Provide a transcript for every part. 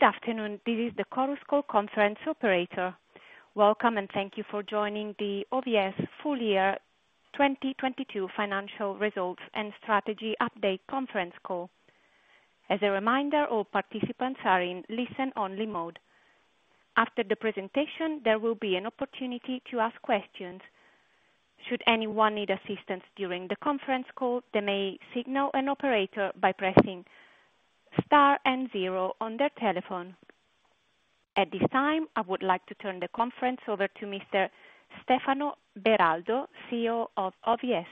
Good afternoon. This is the Chorus Call Conference operator. Welcome, and thank you for joining the OVS Full Year 2022 Financial Results and Strategy Update Conference Call. As a reminder, all participants are in listen-only mode. After the presentation, there will be an opportunity to ask questions. Should anyone need assistance during the conference call, they may signal an operator by pressing star and zero on their telephone. At this time, I would like to turn the conference over to Mr. Stefano Beraldo, CEO of OVS.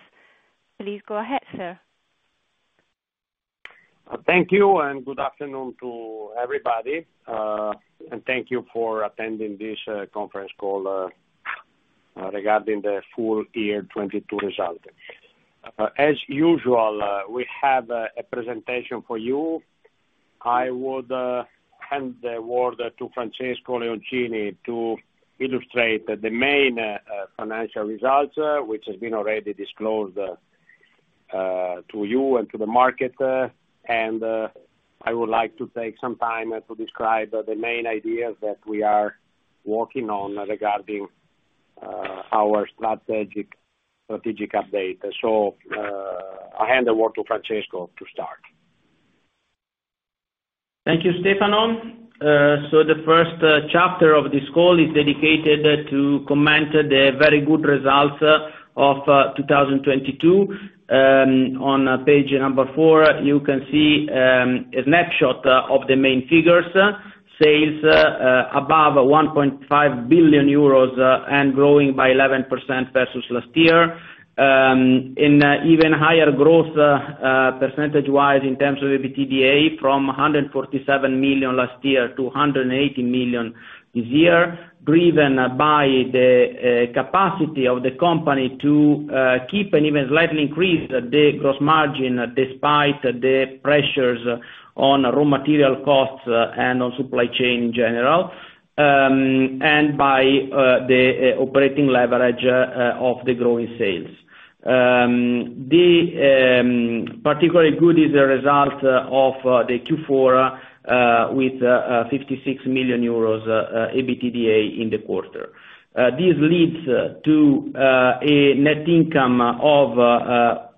Please go ahead, sir. Thank you, good afternoon to everybody. Thank you for attending this conference call regarding the full year 2022 results. As usual, we have a presentation for you. I would hand the word to Francesco Leoncini to illustrate the main financial results, which has been already disclosed to you and to the market. I would like to take some time to describe the main ideas that we are working on regarding our strategic update. I hand the word to Francesco to start. Thank you, Stefano. The first chapter of this call is dedicated to comment the very good results of 2022. On page number four, you can see a snapshot of the main figures. Sales, above 1.5 billion euros, and growing by 11% versus last year. In even higher growth, percentage-wise in terms of EBITDA from 147 million last year to 180 million this year, driven by the capacity of the company to keep and even slightly increase the gross margin despite the pressures on raw material costs and on supply chain in general, and by the operating leverage of the growing sales. The particularly good is a result of the Q4, with 56 million euros EBITDA in the quarter. This leads to a net income of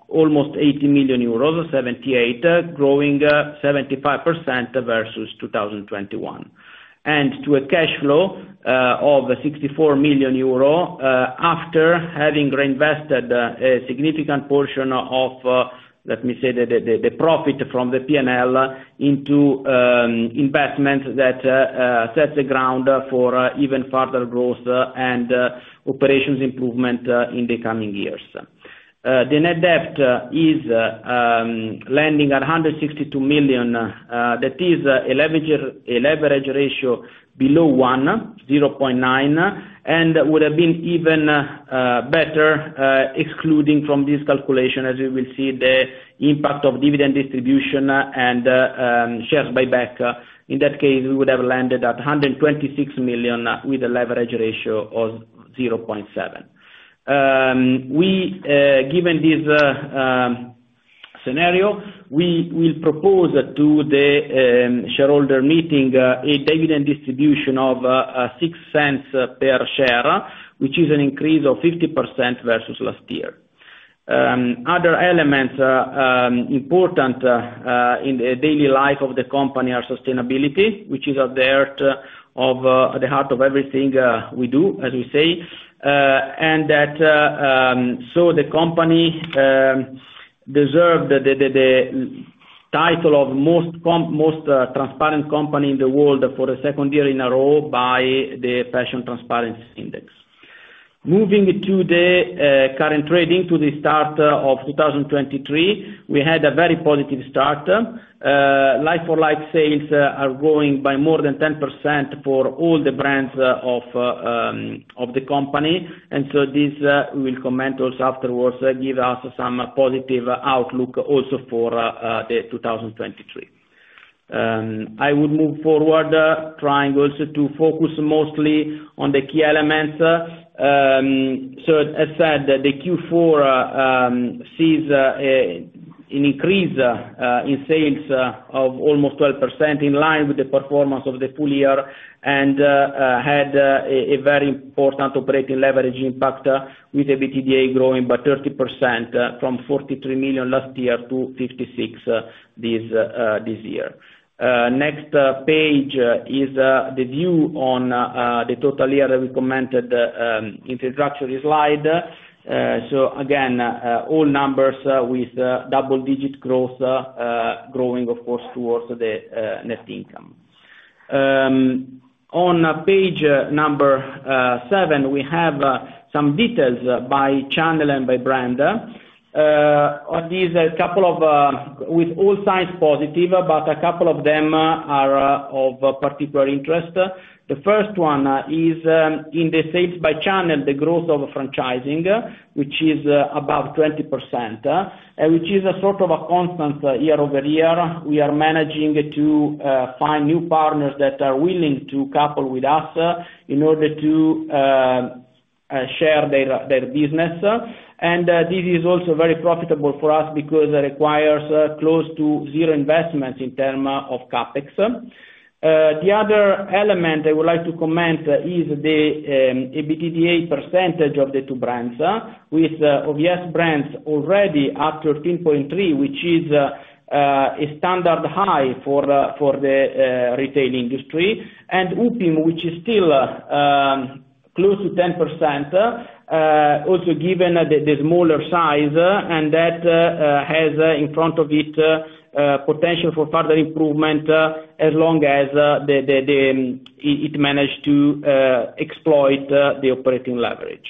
almost 80 million euros, 78 million, growing 75% versus 2021, and to a cash flow of 64 million euro after having reinvested a significant portion of, let me say, the profit from the P&L into investments that set the ground for even further growth and operations improvement in the coming years. The net debt is landing at 162 million. That is a leverage ratio below 1, 0.9, and would have been even better excluding from this calculation, as you will see, the impact of dividend distribution and shares buyback. In that case, we would have landed at 126 million with a leverage ratio of 0.7. We, given this scenario, we will propose to the shareholder meeting a dividend distribution of 0.06 per share, which is an increase of 50% versus last year. Other elements important in the daily life of the company are sustainability, which is at the heart of the heart of everything we do, as we say. The company deserved the title of most transparent company in the world for the second year in a row by the Fashion Transparency Index. Moving to the current trading to the start of 2023, we had a very positive start. Like-for-like sales are growing by more than 10% for all the brands of the company. This, we will comment also afterwards, give us some positive outlook also for the 2023. I would move forward trying also to focus mostly on the key elements. As said, the Q4 sees an increase in sales of almost 12% in line with the performance of the full year and had a very important operating leverage impact with EBITDA growing by 30% from 43 million last year to 56 million this year. Next page is the view on the total year we commented, infrastructure slide. Again, all numbers with double digit growth, growing, of course, towards the net income. On page number seven, we have some details by channel and by brand. On this a couple of, with all signs positive, but a couple of them are of particular interest. The first one is in the sales by channel, the growth of franchising, which is above 20%, which is a sort of a constant year-over-year. We are managing to find new partners that are willing to couple with us in order to share their business. This is also very profitable for us because it requires close to 0 investments in term of CapEx. The other element I would like to comment is the EBITDA % of the two brands, with OVS brands already at 13.3, which is a standard high for the retail industry, and Upim which is still close to 10%, also given the smaller size, and that has in front of it a potential for further improvement, as long as it managed to exploit the operating leverage.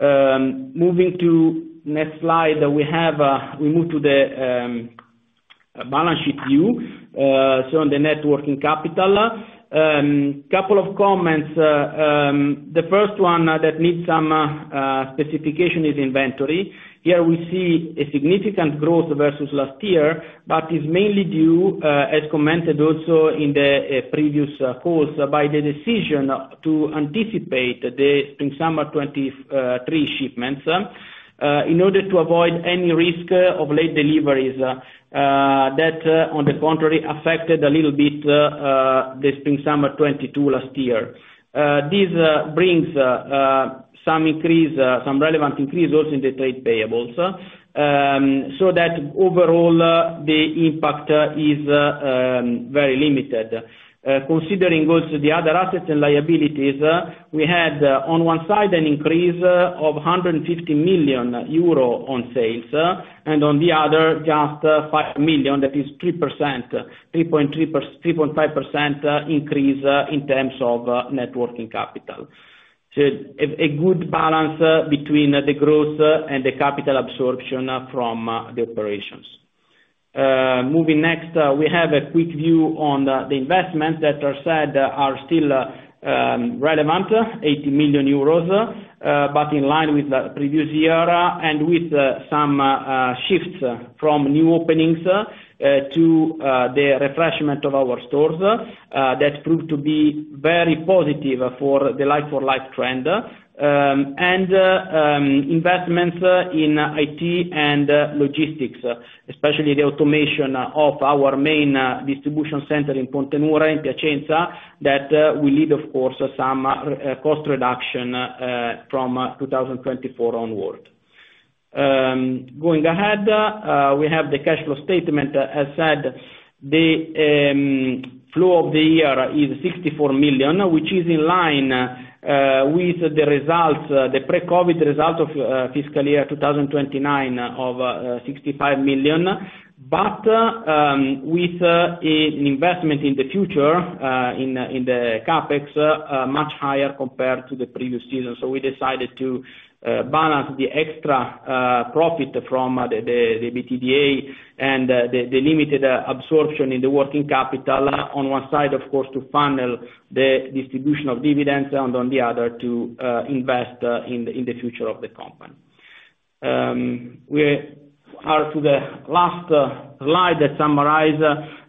Moving to next slide, we have, we move to the balance sheet view, so on the net working capital. Couple of comments. The first one that needs some specification is inventory. Here we see a significant growth versus last year, is mainly due, as commented also in the previous calls, by the decision to anticipate the Spring/Summer 2023 shipments, in order to avoid any risk of late deliveries, that on the contrary, affected a little bit the Spring/Summer 2022 last year. This brings some increase, some relevant increase also in the trade payables, that overall the impact is very limited. Considering also the other assets and liabilities, we had on one side an increase of 150 million euro on sales, and on the other, just 5 million, that is 3%, 3.5% increase in terms of net working capital. A good balance between the growth and the capital absorption from the operations. Moving next, we have a quick view on the investment that are said are still relevant, 80 million euros, but in line with the previous year and with some shifts from new openings to the refreshment of our stores that proved to be very positive for the like-for-like trend, and investments in IT and logistics, especially the automation of our main distribution center in Pontenura, in Piacenza, that will lead, of course, some cost reduction from 2024 onward. Going ahead, we have the cash flow statement. As said, the flow of the year is 64 million, which is in line with the results, the pre-COVID result of fiscal year 2029 of 65 million. With investment in the future, in the CapEx, much higher compared to the previous season. We decided to balance the extra profit from the EBITDA and the limited absorption in the working capital on one side, of course, to funnel the distribution of dividends, and on the other, to invest in the future of the company. We are to the last slide that summarize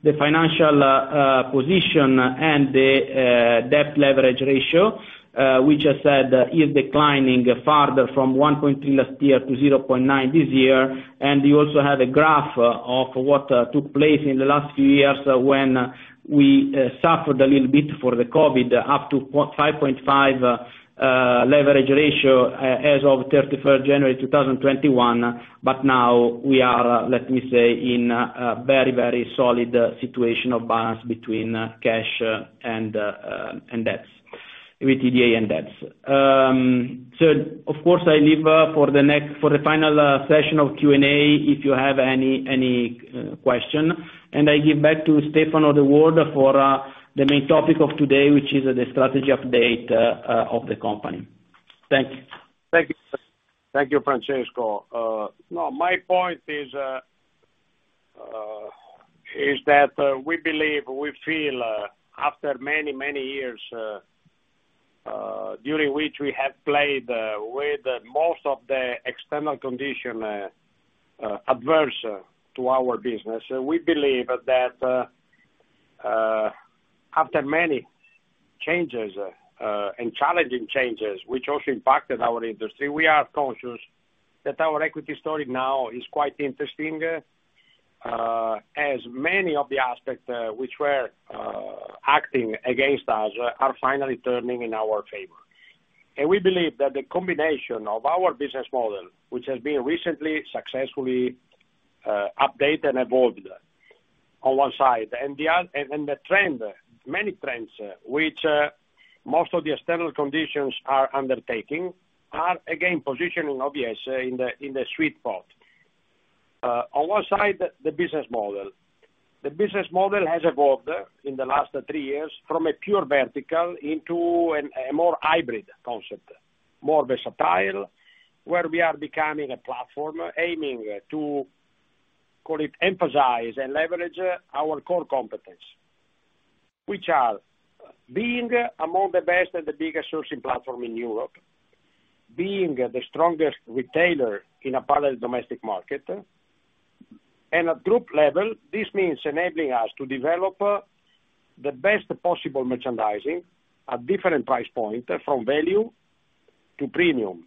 the financial position and the debt leverage ratio, which I said is declining further from 1.3 last year to 0.9 this year. You also have a graph of what took place in the last few years when we suffered a little bit for the COVID up to 0.55 leverage ratio as of January 31, 2021. Now we are, let me say, in a very, very solid situation of balance between cash and debts, EBITDA and debts. Of course, I leave for the next, for the final session of Q&A, if you have any question, and I give back to Stefano the word for the main topic of today, which is the strategy update of the company. Thank you. Thank you, Francesco. No, my point is that we believe, we feel, after many, many years during which we have played with most of the external condition adverse to our business, we believe that after many changes and challenging changes, which also impacted our industry, we are conscious that our equity story now is quite interesting, as many of the aspects which were acting against us are finally turning in our favor. We believe that the combination of our business model, which has been recently successfully updated and evolved on one side, and the other, and the trend, many trends, which most of the external conditions are undertaking, are again positioning OVS in the sweet spot. On one side, the business model. The business model has evolved in the last three years from a pure vertical into a more hybrid concept, more versatile, where we are becoming a platform aiming to, call it, emphasize and leverage our core competence. Which are being among the best and the biggest sourcing platform in Europe, being the strongest retailer in a parallel domestic market. At group level, this means enabling us to develop the best possible merchandising at different price point from value to premium,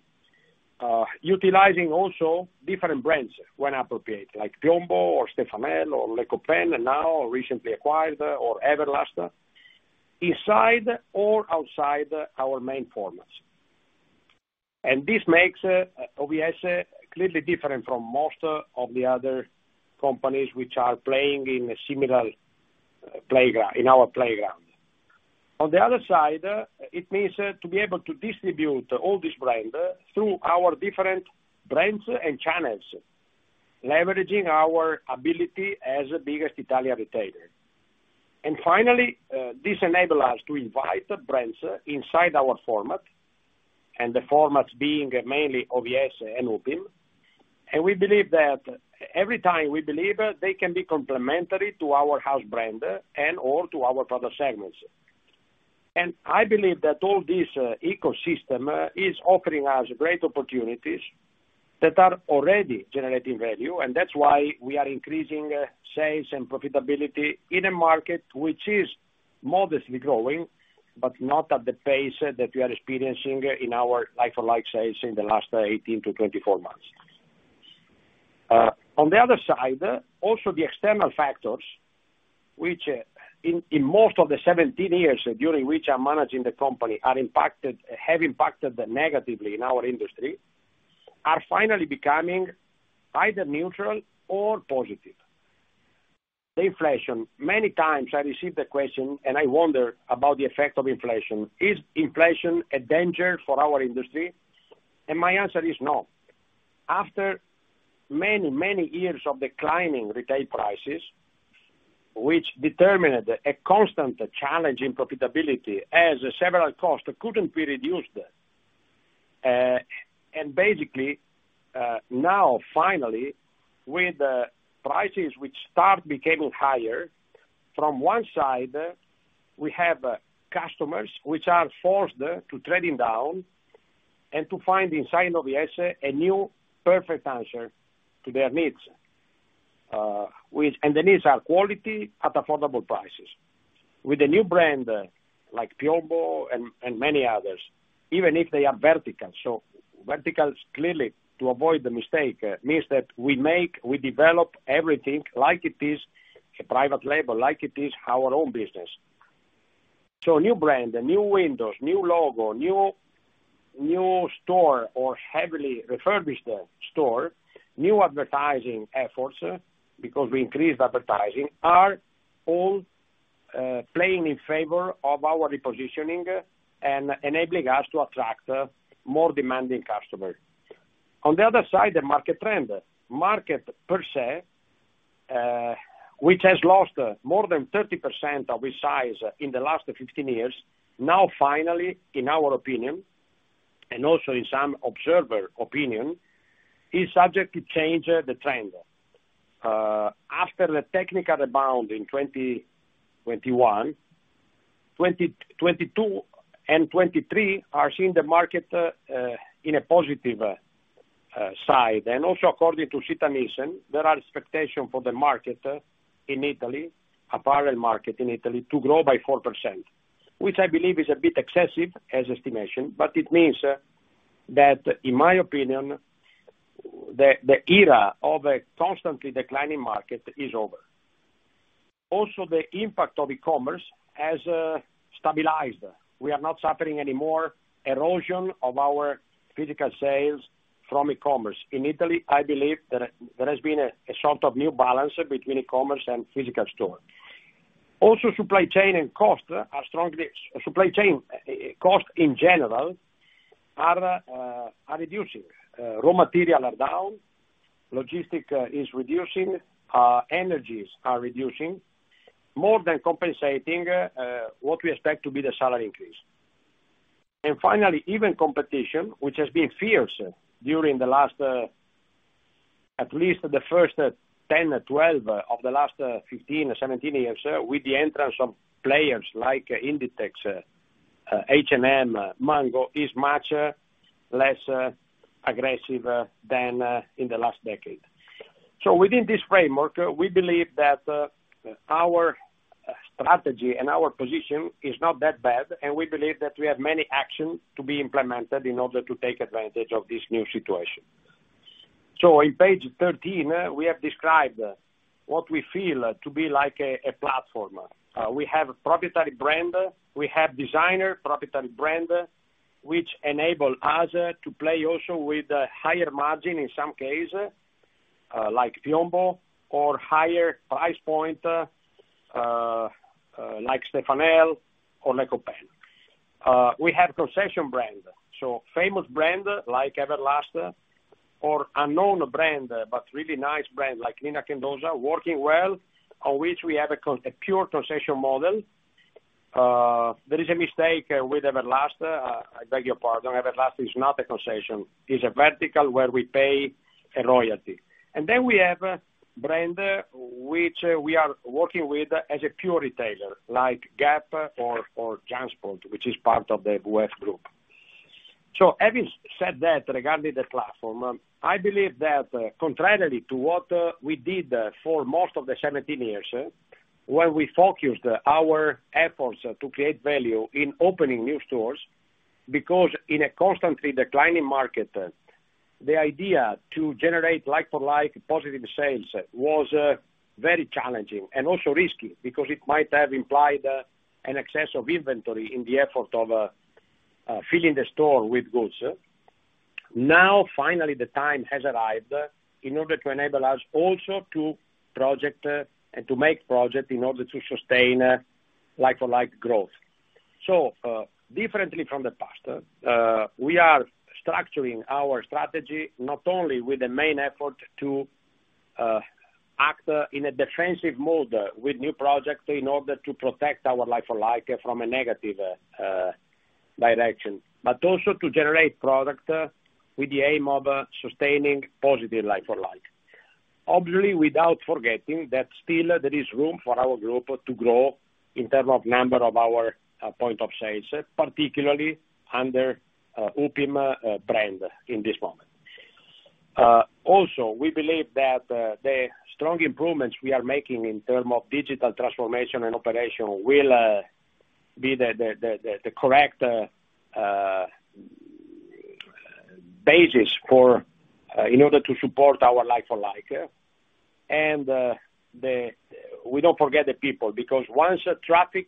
utilizing also different brands when appropriate, like PIOMBO or Stefanel or Les Copains, and now recently acquired or Everlast, inside or outside our main formats. This makes OVS clearly different from most of the other companies which are playing in a similar playground, in our playground. On the other side, it means to be able to distribute all this brand through our different brands and channels, leveraging our ability as the biggest Italian retailer. Finally, this enable us to invite brands inside our format, and the formats being mainly OVS and Upim. We believe that every time we believe they can be complementary to our house brand and/or to our product segments. I believe that all this ecosystem is offering us great opportunities that are already generating value, and that's why we are increasing sales and profitability in a market which is modestly growing, but not at the pace that we are experiencing in our like-for-like sales in the last 18 to 24 months. On the other side, also the external factors, which, in most of the 17 years during which I'm managing the company, have impacted negatively in our industry, are finally becoming either neutral or positive. The inflation. Many times I receive the question, I wonder about the effect of inflation. Is inflation a danger for our industry? My answer is no. After many years of declining retail prices, which determined a constant challenge in profitability as several costs couldn't be reduced, basically, now finally, with prices which start becoming higher, from one side, we have customers which are forced to trading down and to find inside OVS a new perfect answer to their needs, the needs are quality at affordable prices. With a new brand like PIOMBO and many others, even if they are vertical. Verticals, clearly, to avoid the mistake, means that we develop everything like it is a private label, like it is our own business. A new brand, a new windows, new logo, new store or heavily refurbished store, new advertising efforts, because we increased advertising, are all playing in favor of our repositioning and enabling us to attract more demanding customers. On the other side, the market trend. Market per se, which has lost more than 30% of its size in the last 15 years, now finally, in our opinion, and also in some observer opinion, is subject to change the trend. After the technical rebound in 2021, 2022 and 2023 are seeing the market in a positive side. According to NielsenIQ, there are expectation for the market in Italy, apparel market in Italy, to grow by 4%, it means that, in my opinion, the era of a constantly declining market is over. The impact of e-commerce has stabilized. We are not suffering any more erosion of our physical sales from e-commerce. In Italy, I believe there has been a sort of new balance between e-commerce and physical store. Supply chain and cost in general are reducing. Raw material are down, logistic is reducing, energies are reducing, more than compensating what we expect to be the salary increase. Finally, even competition, which has been fierce during the last, at least the first, 10 or 12 of the last, 15 or 17 years, with the entrance of players like Inditex, H&M, Mango, is much less aggressive than in the last decade. Within this framework, we believe that our strategy and our position is not that bad, and we believe that we have many actions to be implemented in order to take advantage of this new situation. In Page 13, we have described what we feel to be like a platform. We have proprietary brand, we have designer proprietary brand, which enable us to play also with a higher margin in some case, like PIOMBO or higher price point, like Stefanel or Les Copains. We have concession brand, so famous brand like Everlast or unknown brand, but really nice brand like Nina Mendoza, working well, on which we have a pure concession model. There is a mistake with Everlast. I beg your pardon. Everlast is not a concession. It's a vertical where we pay a royalty. We have a brand which we are working with as a pure retailer, like Gap or Jansport, which is part of the VF Group. Having said that, regarding the platform, I believe that, contrarily to what we did for most of the 17 years, where we focused our efforts to create value in opening new stores, because in a constantly declining market, the idea to generate like-for-like positive sales was very challenging and also risky because it might have implied an excess of inventory in the effort of filling the store with goods. Now, finally, the time has arrived in order to enable us also to project and to make project in order to sustain like-for-like growth. Differently from the past, we are structuring our strategy not only with the main effort to act in a defensive mode with new projects in order to protect our like-for-like from a negative direction, but also to generate product with the aim of sustaining positive like-for-like. Obviously, without forgetting that still there is room for our group to grow in term of number of our point of sales, particularly under Upim brand in this moment. Also, we believe that the strong improvements we are making in term of digital transformation and operation will be the correct basis for in order to support our like-for-like. We don't forget the people because once traffic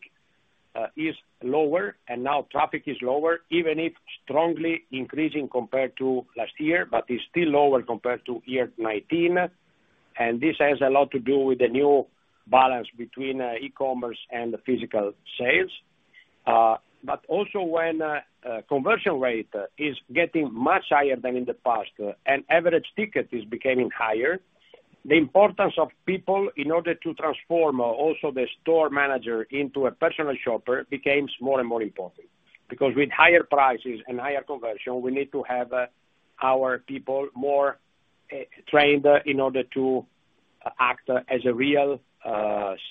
is lower, and now traffic is lower, even if strongly increasing compared to last year, but is still lower compared to year 2019, and this has a lot to do with the new balance between e-commerce and the physical sales. But also when conversion rate is getting much higher than in the past, and average ticket is becoming higher, the importance of people in order to transform also the store manager into a personal shopper becomes more and more important. Because with higher prices and higher conversion, we need to have our people more trained in order to act as a real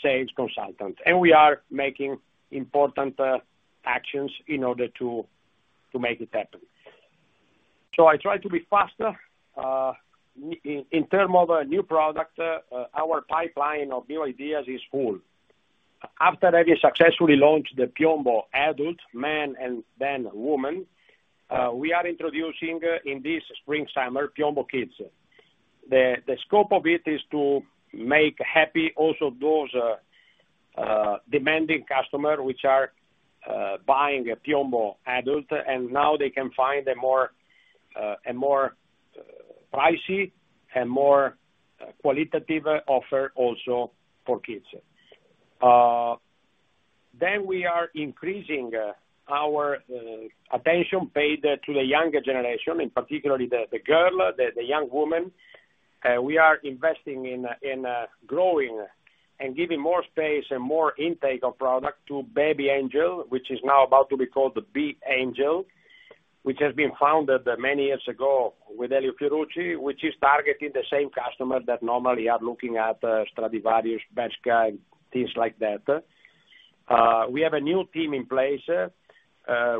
sales consultant. We are making important actions in order to make it happen. I try to be faster in term of a new product, our pipeline of new ideas is full. After we successfully launched the PIOMBO Adult, Man and then Woman, we are introducing in this Spring/Summer, PIOMBO Kids. The scope of it is to make happy also those demanding customer which are buying a PIOMBO Adult, and now they can find a more a more pricey and more qualitative offer also for kids. We are increasing our attention paid to the younger generation, in particularly the girl, the young woman. We are investing in growing and giving more space and more intake of product to Baby Angel, which is now about to be called the B.Angel, which has been founded many years ago with Elio Fiorucci, which is targeting the same customer that normally are looking at Stradivarius, Bershka, and things like that. We have a new team in place.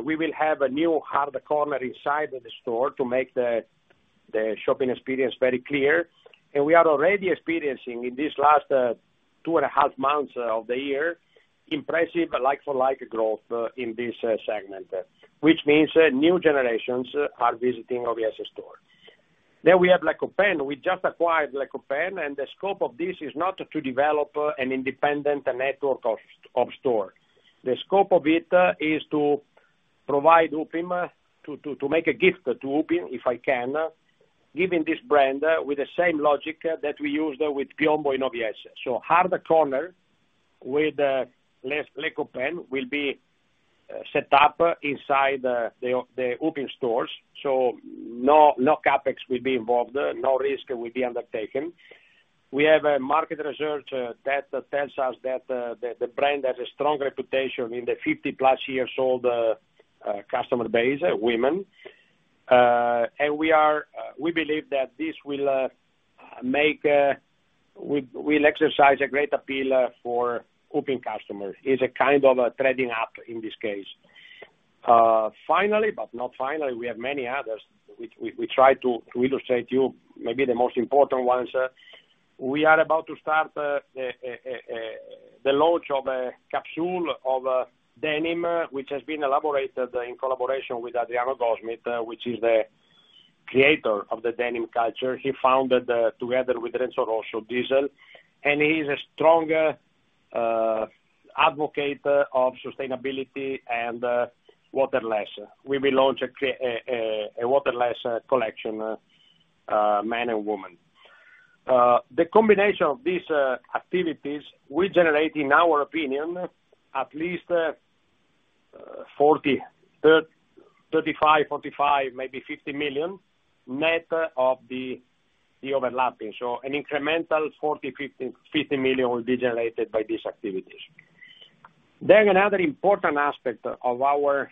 We will have a new harder corner inside of the store to make the shopping experience very clear. We are already experiencing in this last two and a half months of the year, impressive like-for-like growth in this segment, which means new generations are visiting OVS store. We have Les Copains. We just acquired Les Copains, and the scope of this is not to develop an independent network of store. The scope of it is to provide Upim, to make a gift to Upim, if I can, giving this brand with the same logic that we used with PIOMBO in OVS. Harder corner with Les Copains will be set up inside the Upim stores, so no CapEx will be involved, no risk will be undertaken. We have a market research that tells us that the brand has a strong reputation in the 50-plus-years-old customer base women. We believe that this will make will exercise a great appeal for Upim customers, is a kind of a trading up in this case. Finally, but not finally, we have many others, which we try to illustrate you maybe the most important ones. We are about to start the launch of a capsule of denim, which has been elaborated in collaboration with Adriano Goldschmied, which is the creator of the denim culture. He founded together with Renzo Rosso, Diesel, he is a strong advocate of sustainability and waterless. We will launch a waterless collection, man and woman. The combination of these activities will generate, in our opinion, at least 40 million, 35 million to 45 million, maybe 50 million net of the overlapping. An incremental 40 million to 50 million will be generated by these activities. Another important aspect of our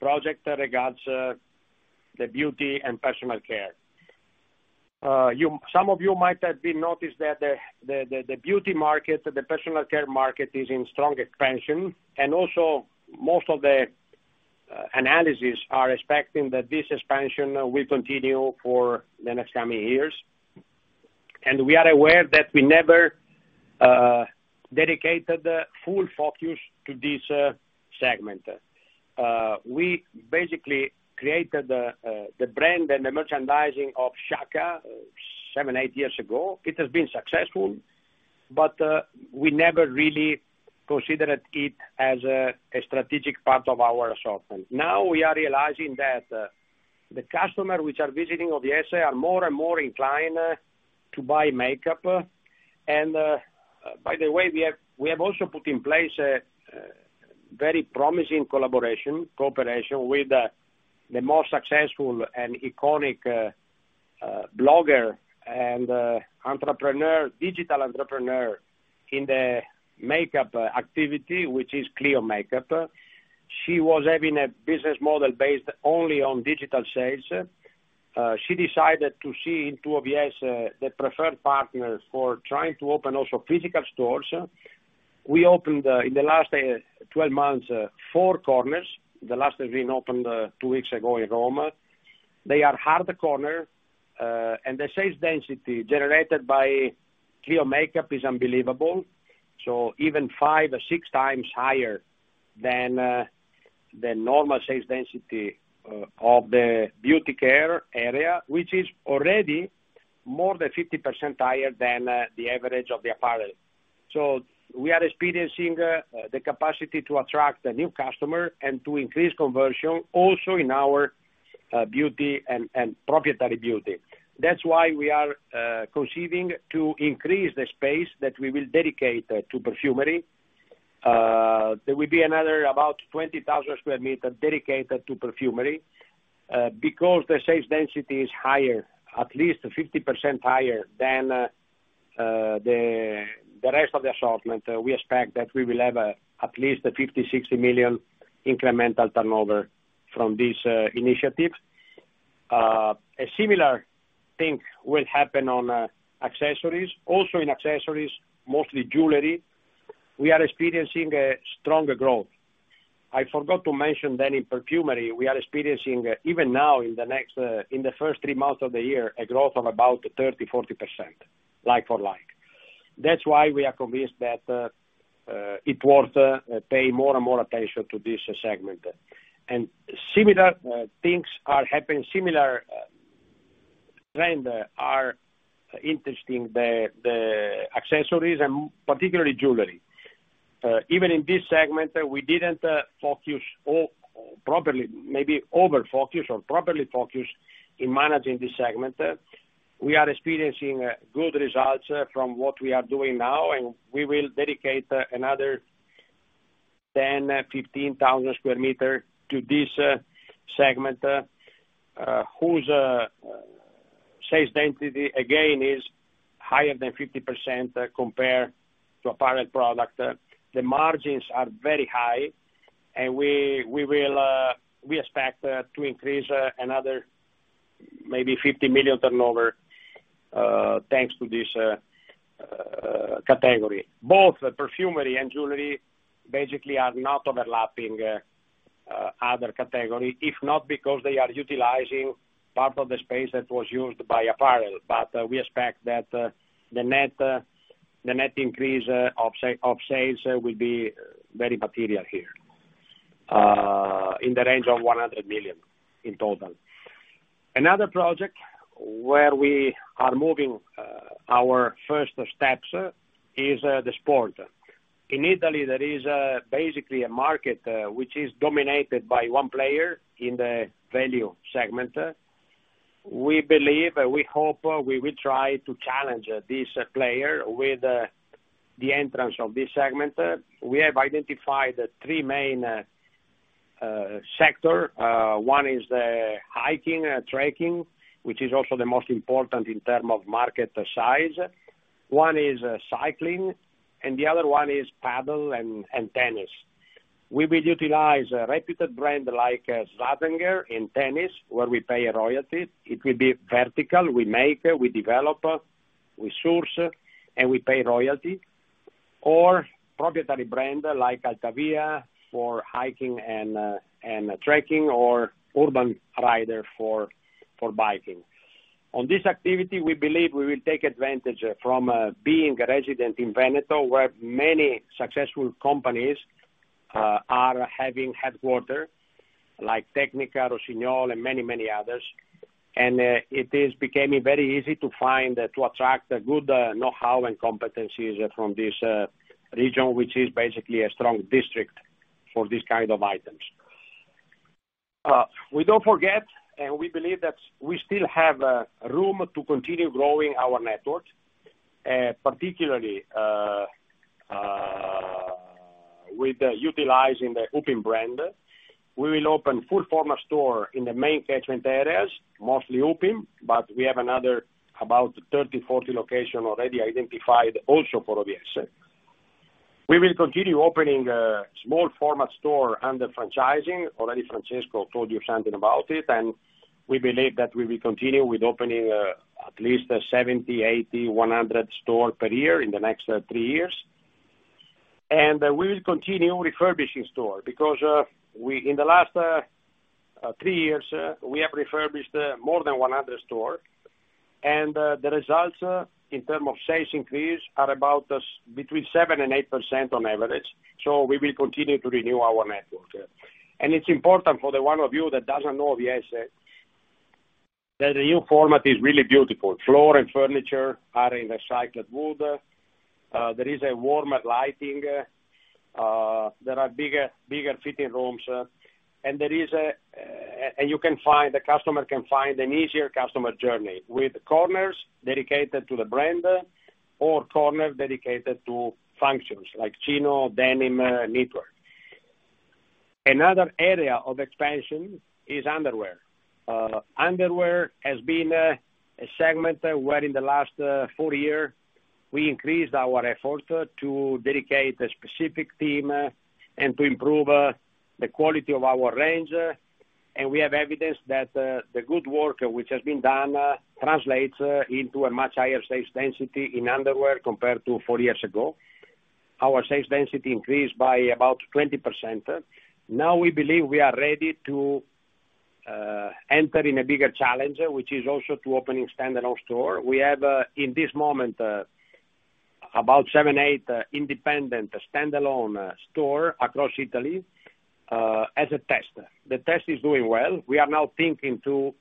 project regards the beauty and personal care. You, some of you might have been noticed that the beauty market, the personal care market is in strong expansion. Most of the analysis are expecting that this expansion will continue for the next coming years. We are aware that we never dedicated the full focus to this segment. We basically created the brand and the merchandising of Shaka seven, eight years ago. It has been successful, but we never really considered it as a strategic part of our assortment. Now we are realizing that the customer which are visiting OVS are more and more inclined to buy makeup. By the way, we have also put in place a very promising collaboration, cooperation with the more successful and iconic blogger and entrepreneur, digital entrepreneur in the makeup activity, which is ClioMakeUp. She was having a business model based only on digital sales. She decided to see in two OVS the preferred partners for trying to open also physical stores. We opened in the last 12 months four corners, the last has been opened two weeks ago in Rome. They are hard corner, and the sales density generated by ClioMakeUp is unbelievable. Even five or six times higher than the normal sales density of the beauty care area, which is already more than 50% higher than the average of the apparel. We are experiencing the capacity to attract the new customer and to increase conversion also in our beauty and proprietary beauty. That's why we are conceding to increase the space that we will dedicate to perfumery. There will be another about 20,000 square meter dedicated to perfumery because the sales density is higher, at least 50% higher than the rest of the assortment. We expect that we will have at least a 50 million to 60 million incremental turnover from these initiatives. A similar thing will happen on accessories. Also in accessories, mostly jewelry, we are experiencing a stronger growth. I forgot to mention that in perfumery we are experiencing, even now in the first three months of the year, a growth of about 30% to 40% like-for-like. That's why we are convinced that it worth pay more and more attention to this segment. Similar things are happening, similar trend are interesting, the accessories and particularly jewelry. Even in this segment, we didn't focus properly, maybe over focus or properly focus in managing this segment. We are experiencing good results from what we are doing now. We will dedicate another 10, 15 thousand square meters to this segment, whose sales density again is higher than 50% compared to apparel product. The margins are very high. We will, we expect to increase another maybe 50 million turnover thanks to this category. Both the perfumery and jewelry basically are not overlapping other category, if not because they are utilizing part of the space that was used by apparel. We expect that the net, the net increase of sales will be very material here in the range of 100 million in total. Another project where we are moving our first steps is the sport. In Italy, there is basically a market which is dominated by one player in the value segment. We believe, we hope we will try to challenge this player with the entrance of this segment. We have identified three main sector. One is the hiking and trekking, which is also the most important in term of market size. One is cycling, and the other one is paddle and tennis. We will utilize a reputed brand like Slazenger in tennis, where we pay a royalty. It will be vertical. We make, we develop, we source, and we pay royalty or proprietary brand like Altavia for hiking and trekking or Urban Rider for biking. On this activity, we believe we will take advantage from being a resident in Veneto, where many successful companies are having headquarters like Tecnica, Rossignol, and many, many others. It is becoming very easy to find, to attract good know-how and competencies from this region, which is basically a strong district for these kind of items. We don't forget, and we believe that we still have room to continue growing our network, particularly with utilizing the Upim brand. We will open full format stores in the main catchment areas, mostly Upim, but we have another about 30, 40 locations already identified also for OVS. We will continue opening small format stores under franchising. Already Francesco told you something about it, and we believe that we will continue with opening, uh, at least seventy, eighty, one hundred store per year in the next, three years. And we will continue refurbishing store because, in the last, three years, uh, we have refurbished, uh, more than one hundred store, and, the results, in term of sales increase are about a s- between seven and eight percent on average. So we will continue to renew our network. And it's important for the one of you that doesn't know OVS, that the new format is really beautiful. Floor and furniture are in recycled wood. There is a warmer lighting, there are bigger, bigger fitting rooms. The customer can find an easier customer journey with corners dedicated to the brand or corners dedicated to functions like chino, denim, knitwear. Another area of expansion is underwear. Underwear has been a segment where in the last four year, we increased our effort to dedicate a specific team and to improve the quality of our range. We have evidence that the good work which has been done translates into a much higher sales density in underwear compared to four years ago. Our sales density increased by about 20%. Now we believe we are ready to enter in a bigger challenge, which is also to opening standalone store. We have in this moment about seven, eight independent standalone store across Italy as a test. The test is doing well. We are now thinking to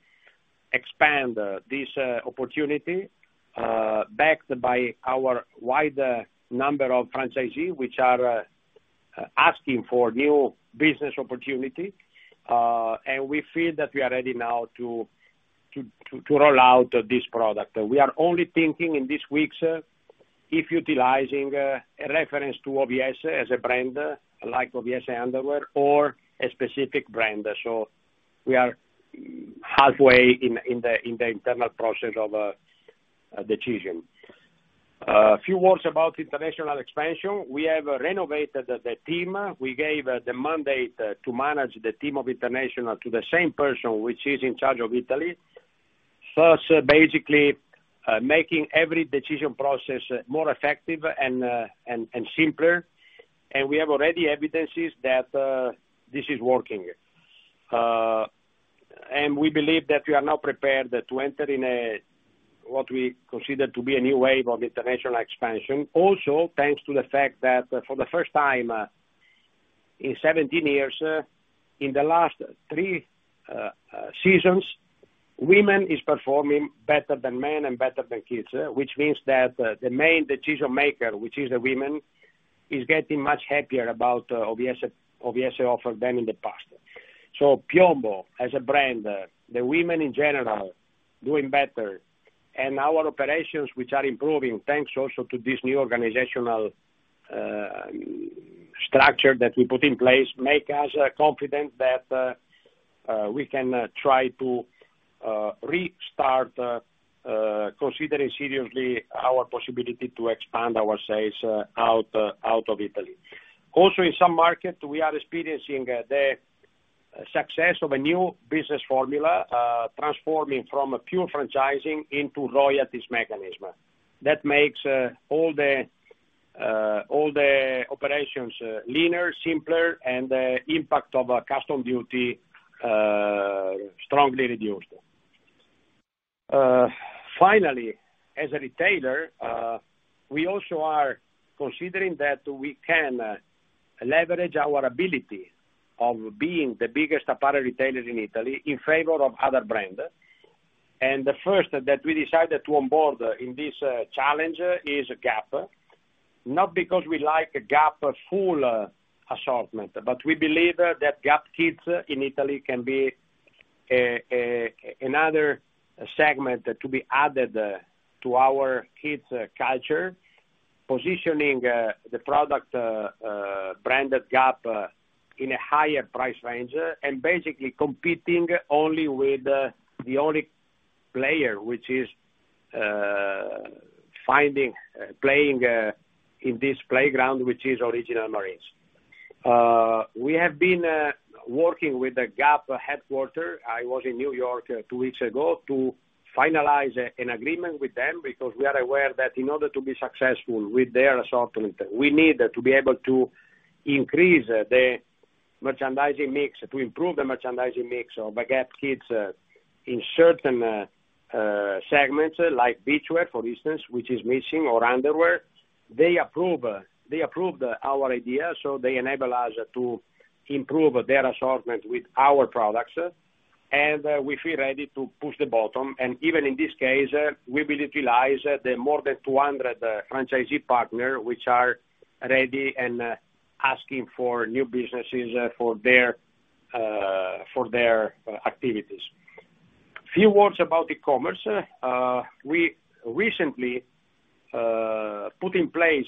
expand this opportunity, backed by our wide number of franchisee, which are asking for new business opportunity, and we feel that we are ready now to roll out this product. We are only thinking in these weeks if utilizing a reference to OVS as a brand like OVS underwear or a specific brand. We are halfway in the internal process of a decision. A few words about international expansion. We have renovated the team. We gave the mandate to manage the team of international to the same person which is in charge of Italy. Thus, basically, making every decision process more effective and simpler, and we have already evidences that this is working. We believe that we are now prepared to enter in a, what we consider to be a new wave of international expansion. Thanks to the fact that for the first time in 17 years, in the last three seasons, women is performing better than men and better than kids, which means that the main decision maker, which is the women, is getting much happier about OVS offer than in the past. PIOMBO as a brand, the women in general doing better, and our operations which are improving, thanks also to this new organizational structure that we put in place, make us confident that we can try to restart considering seriously our possibility to expand our sales out of Italy. In some markets, we are experiencing the success of a new business formula, transforming from a pure franchising into royalties mechanism. That makes all the operations leaner, simpler, and the impact of a custom duty strongly reduced. Finally, as a retailer, we also are considering that we can leverage our ability of being the biggest apparel retailer in Italy in favor of other brand. The first that we decided to onboard in this challenge is Gap. Not because we like Gap full assortment, but we believe that Gap Kids in Italy can be another segment to be added to our kids culture, positioning the product brand of Gap in a higher price range, and basically competing only with the only player, which is finding playing in this playground, which is Original Marines. We have been working with the Gap headquarter. I was in New York two weeks ago to finalize an agreement with them because we are aware that in order to be successful with their assortment, we need to be able to increase the merchandising mix, to improve the merchandising mix of the Gap Kids in certain segments like beachwear, for instance, which is missing, or underwear. They approved our idea, so they enable us to improve their assortment with our products, and we feel ready to push the bottom. Even in this case, we will utilize the more than 200 franchisee partner, which are ready and asking for new businesses for their activities. Few words about e-commerce. We recently put in place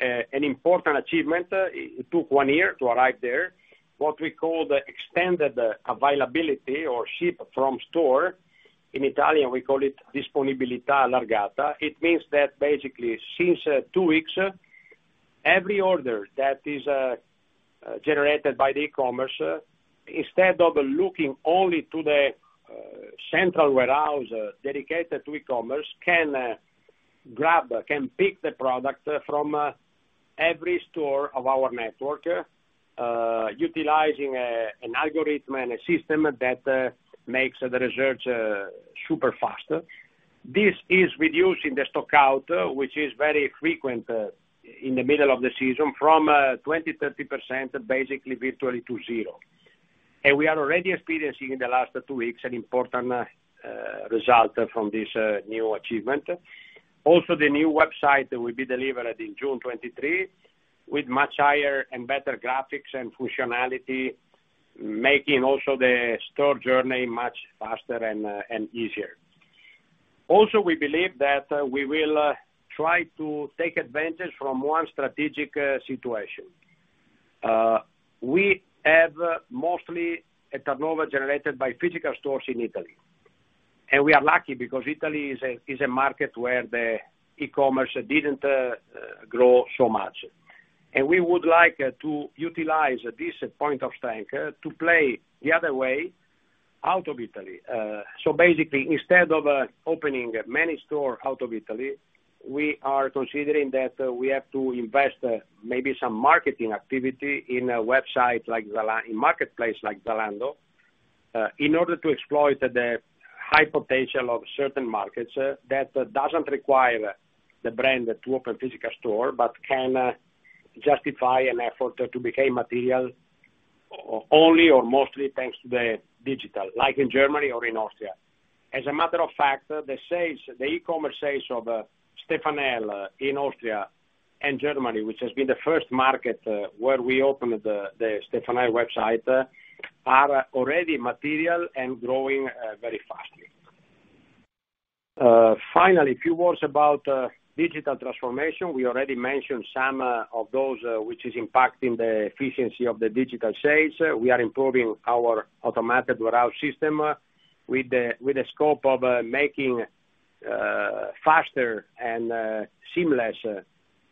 an important achievement. It took one year to arrive there, what we call the extended availability or ship from store. In Italian, we call it disponibilità allargata. It means that basically since two weeks, every order that is generated by the e-commerce, instead of looking only to the central warehouse dedicated to e-commerce, can grab, can pick the product from every store of our network, utilizing an algorithm and a system that makes the research super fast. This is reducing the stock out, which is very frequent in the middle of the season, from 20% to 30%, basically virtually to zero. We are already experiencing in the last two weeks an important result from this new achievement. Also, the new website will be delivered in June 2023 with much higher and better graphics and functionality, making also the store journey much faster and easier. We believe that we will try to take advantage from one strategic situation. We have mostly a turnover generated by physical stores in Italy. We are lucky because Italy is a market where the e-commerce didn't grow so much. We would like to utilize this point of strength to play the other way out of Italy. Basically, instead of opening many stores out of Italy, we are considering that we have to invest maybe some marketing activity in a marketplace like Zalando in order to exploit the high potential of certain markets that doesn't require the brand to open physical store, but can justify an effort to become material only or mostly thanks to the digital, like in Germany or in Austria. As a matter of fact, the sales, the e-commerce sales of Stefanel in Austria and Germany, which has been the first market where we opened the Stefanel website, are already material and growing very fast. Finally, a few words about digital transformation. We already mentioned some of those, which is impacting the efficiency of the digital sales. We are improving our automated warehouse system with the scope of making faster and seamless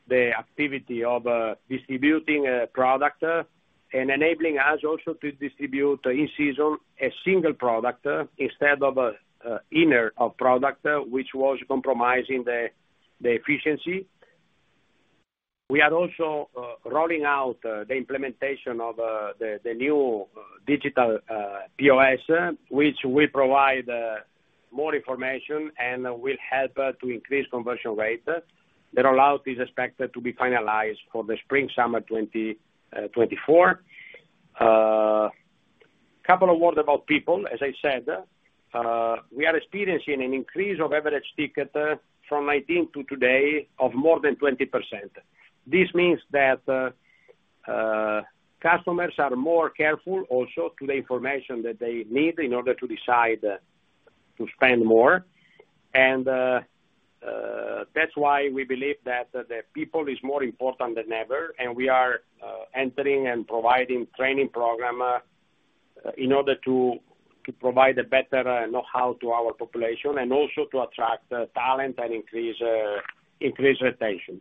the activity of distributing product and enabling us also to distribute in season a single product instead of inner of product which was compromising the efficiency. We are also rolling out the implementation of the new digital POS, which will provide more information and will help to increase conversion rate. The rollout is expected to be finalized for the Spring/Summer 2024. Couple of words about people. As I said, we are experiencing an increase of average ticket from 19 to today of more than 20%. This means that customers are more careful also to the information that they need in order to decide to spend more. That's why we believe that the people is more important than ever, and we are entering and providing training program in order to provide a better know-how to our population and also to attract talent and increase retention.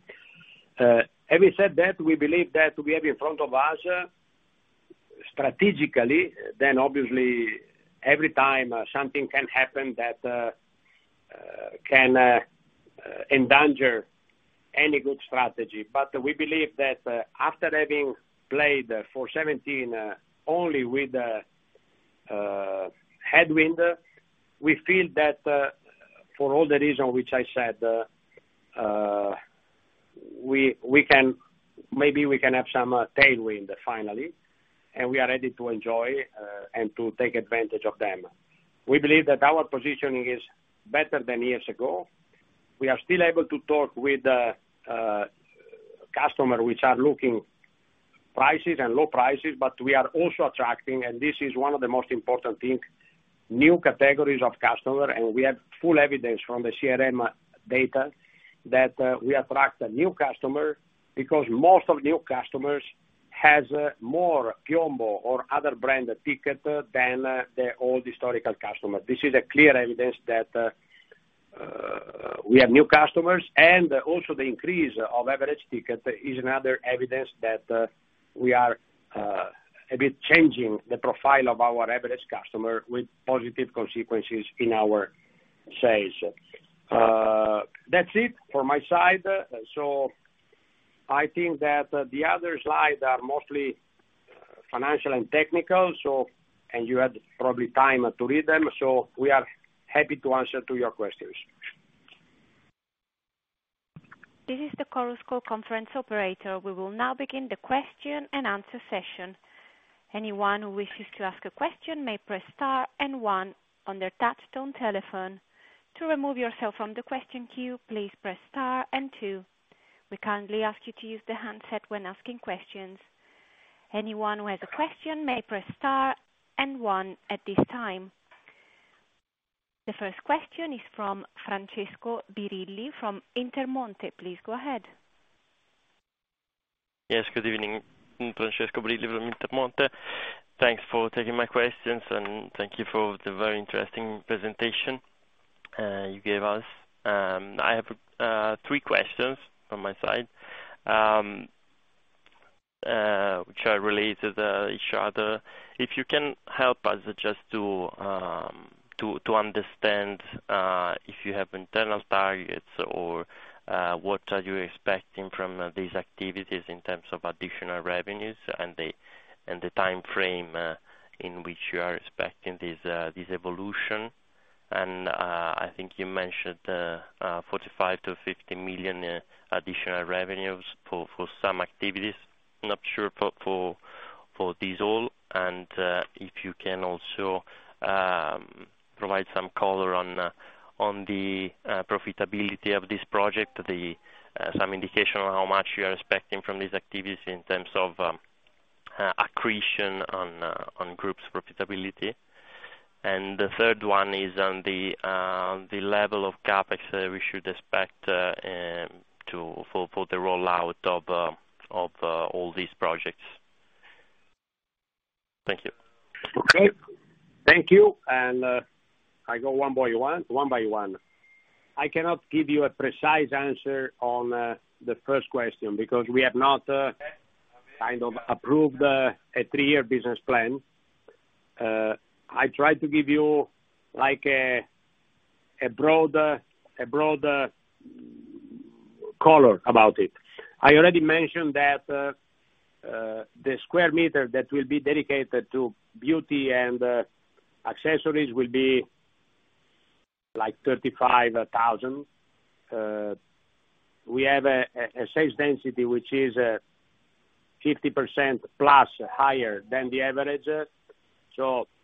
Having said that, we believe that we have in front of us strategically, then obviously every time something can happen that can endanger any good strategy. We believe that after having played for 17 only with the headwind, we feel that for all the reason which I said, maybe we can have some tailwind finally, and we are ready to enjoy and to take advantage of them. We believe that our positioning is better than years ago. We are still able to talk with the customer, which are looking prices and low prices, but we are also attracting, and this is one of the most important thing, new categories of customer, and we have full evidence from the CRM data that we attract a new customer because most of new customers has more PIOMBO or other brand ticket than the old historical customer. This is a clear evidence that we have new customers, and also the increase of average ticket is another evidence that we are a bit changing the profile of our average customer with positive consequences in our sales. That's it for my side. I think that the other slides are mostly financial and technical, and you had probably time to read them. We are happy to answer to your questions. This is the Chorus Call conference operator. We will now begin the question and answer session. Anyone who wishes to ask a question may press star and one on their touchtone telephone. To remove yourself from the question queue, please press star and two. We kindly ask you to use the handset when asking questions. Anyone who has a question may press star and one at this time. The first question is from Francesco Brilli from Intermonte. Please go ahead. Yes, good evening. Francesco Brilli from Intermonte. Thanks for taking my questions, thank you for the very interesting presentation you gave us. I have three questions from my side, which are related each other. If you can help us just to understand if you have internal targets or what are you expecting from these activities in terms of additional revenues and the timeframe in which you are expecting this evolution. I think you mentioned 45 million to 50 million additional revenues for some activities. Not sure for these all. If you can also provide some color on the profitability of this project, some indication on how much you are expecting from these activities in terms of accretion on group's profitability. The third one is on the level of CapEx we should expect for the rollout of all these projects. Thank you. Okay. Thank you. I go one by one. I cannot give you a precise answer on the first question because we have not kind of approved a three-year business plan. I tried to give you like a broader color about it. I already mentioned that the square meter that will be dedicated to beauty and accessories will be like 35,000. We have a sales density which is 50% plus higher than the average.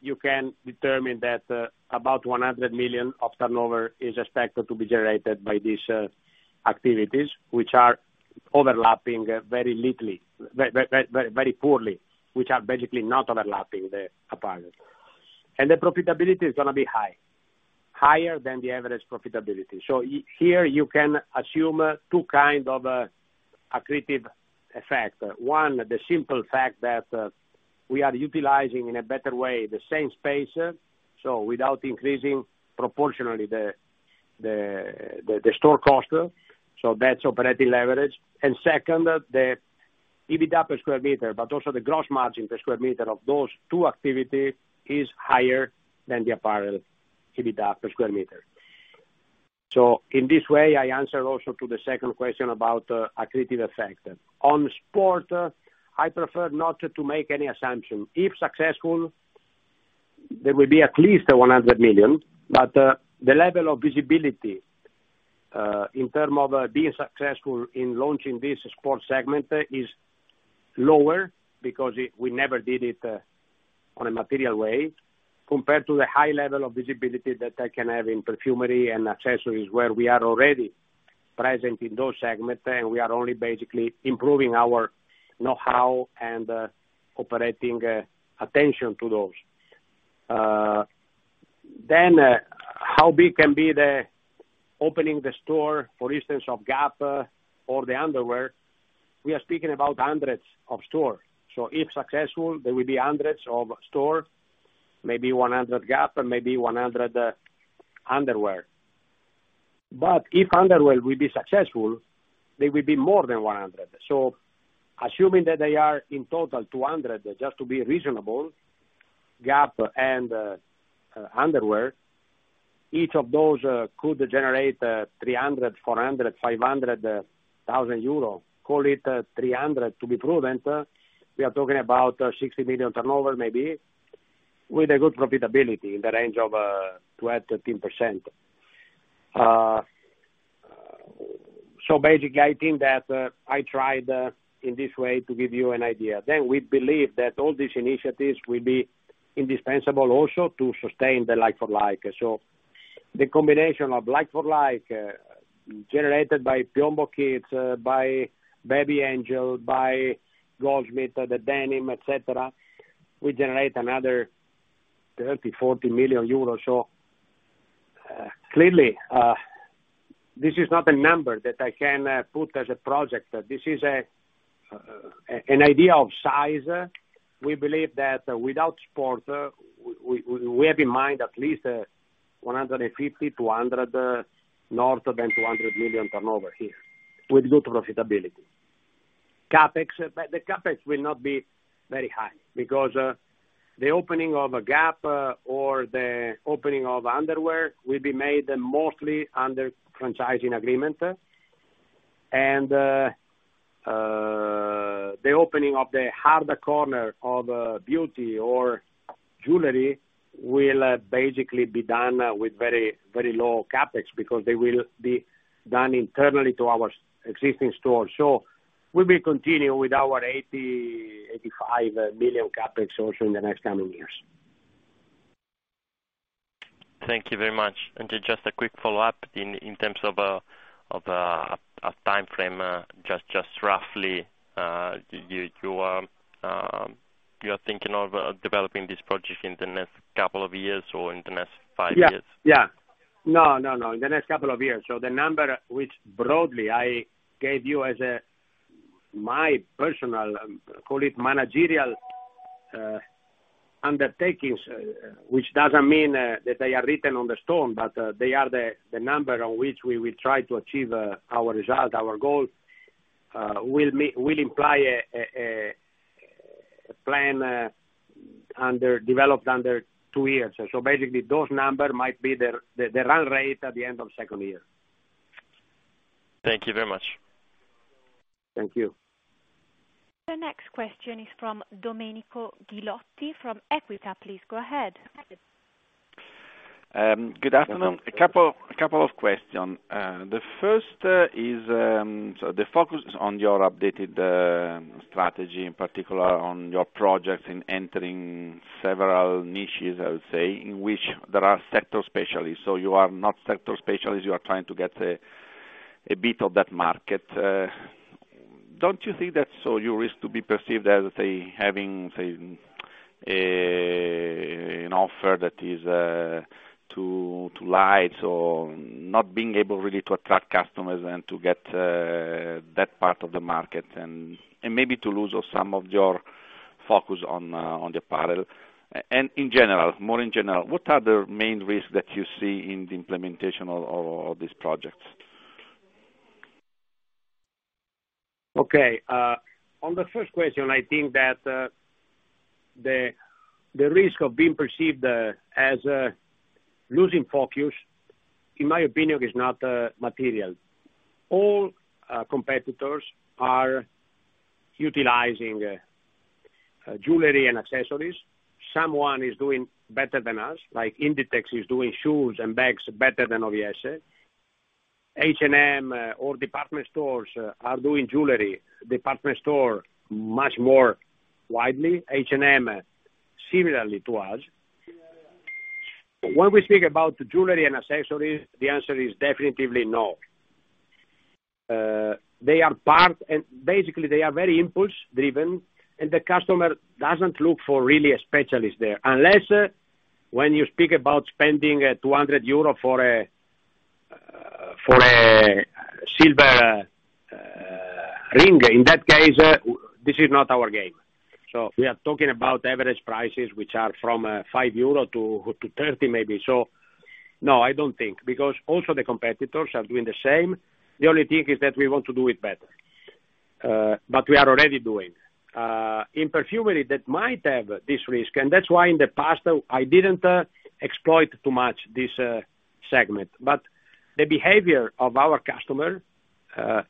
You can determine that about 100 million of turnover is expected to be generated by these activities, which are overlapping very little, very poorly, which are basically not overlapping the apparel. The profitability is gonna be higher than the average profitability. Here you can assume two kind of accretive effect. One, the simple fact that we are utilizing in a better way the same space, so without increasing proportionally the store cost, so that's operating leverage. Second, the EBITDA per square meter, but also the gross margin per square meter of those two activity is higher than the apparel EBITDA per square meter. In this way, I answer also to the second question about accretive effect. On sport, I prefer not to make any assumption. If successful, there will be at least 100 million, but the level of visibility in term of being successful in launching this sport segment is lower because we never did it on a material way, compared to the high level of visibility that I can have in perfumery and accessories, where we are already present in those segments, and we are only basically improving our know-how and operating attention to those. How big can be the opening the store, for instance, of Gap or the underwear, we are speaking about hundreds of stores. If successful, there will be hundreds of store, maybe 100 Gap, maybe 100 underwear. But if underwear will be successful, they will be more than 100. Assuming that they are in total 200, just to be reasonable, Gap and underwear, each of those could generate 300,000, 400,000, 500,000 euro, call it 300,000 to be prudent. We are talking about 60 million turnover, maybe, with a good profitability in the range of 12%-13%. Basically, I think that I tried in this way to give you an idea. We believe that all these initiatives will be indispensable also to sustain the like-for-like. The combination of like-for-like generated by PIOMBO Kids, by Baby Angel, by Goldschmied, the denim, et cetera, we generate another 30 million to 40 million euros. Clearly, this is not a number that I can put as a project. This is an idea of size. We believe that without sport, we have in mind at least 150, 200, north of 200 million turnover here with good profitability. CapEx, the CapEx will not be very high because the opening of a Gap or the opening of underwear will be made mostly under franchising agreement. The opening of the harder corner of beauty or jewelry will basically be done with very, very low CapEx because they will be done internally to our existing stores. We will continue with our 80 to 85 million CapEx also in the next coming years. Thank you very much. Just a quick follow-up in terms of a timeframe, just roughly, you are thinking of developing this project in the next couple of years or in the next five years? Yeah. Yeah. No, no. In the next couple of years. The number which broadly I gave you as my personal, call it managerial, undertakings, which doesn't mean that they are written on the stone, but they are the number on which we will try to achieve our result, our goal, will imply a plan developed under two years. Basically, those number might be the run rate at the end of second year. Thank you very much. Thank you. The next question is from Domenico Ghilotti from Equita. Please go ahead. Good afternoon. Good afternoon. A couple of questions. The first is, the focus on your updated strategy, in particular on your projects in entering several niches, I would say, in which there are sector specialists. You are not sector specialist, you are trying to get a bit of that market. Don't you think that so you risk to be perceived as, having an offer that is too light or not being able really to attract customers and to get that part of the market and maybe to lose some of your focus on the parallel? In general, more in general, what are the main risks that you see in the implementation of these projects? Okay. On the first question, I think that the risk of being perceived as losing focus, in my opinion, is not material. All competitors are utilizing jewelry and accessories. Someone is doing better than us, like Inditex is doing shoes and bags better than OVS. H&M or department stores are doing jewelry, department store much more widely, H&M similarly to us. When we speak about jewelry and accessories, the answer is definitively no. They are part and basically, they are very impulse driven, and the customer doesn't look for really a specialist there. Unless when you speak about spending 200 euro for a for a silver ring. In that case, this is not our game. We are talking about average prices, which are from 5 euro to 30 maybe. No, I don't think, because also the competitors are doing the same. The only thing is that we want to do it better, but we are already doing. In perfumery, that might have this risk, and that's why in the past, I didn't exploit too much this segment. But the behavior of our customer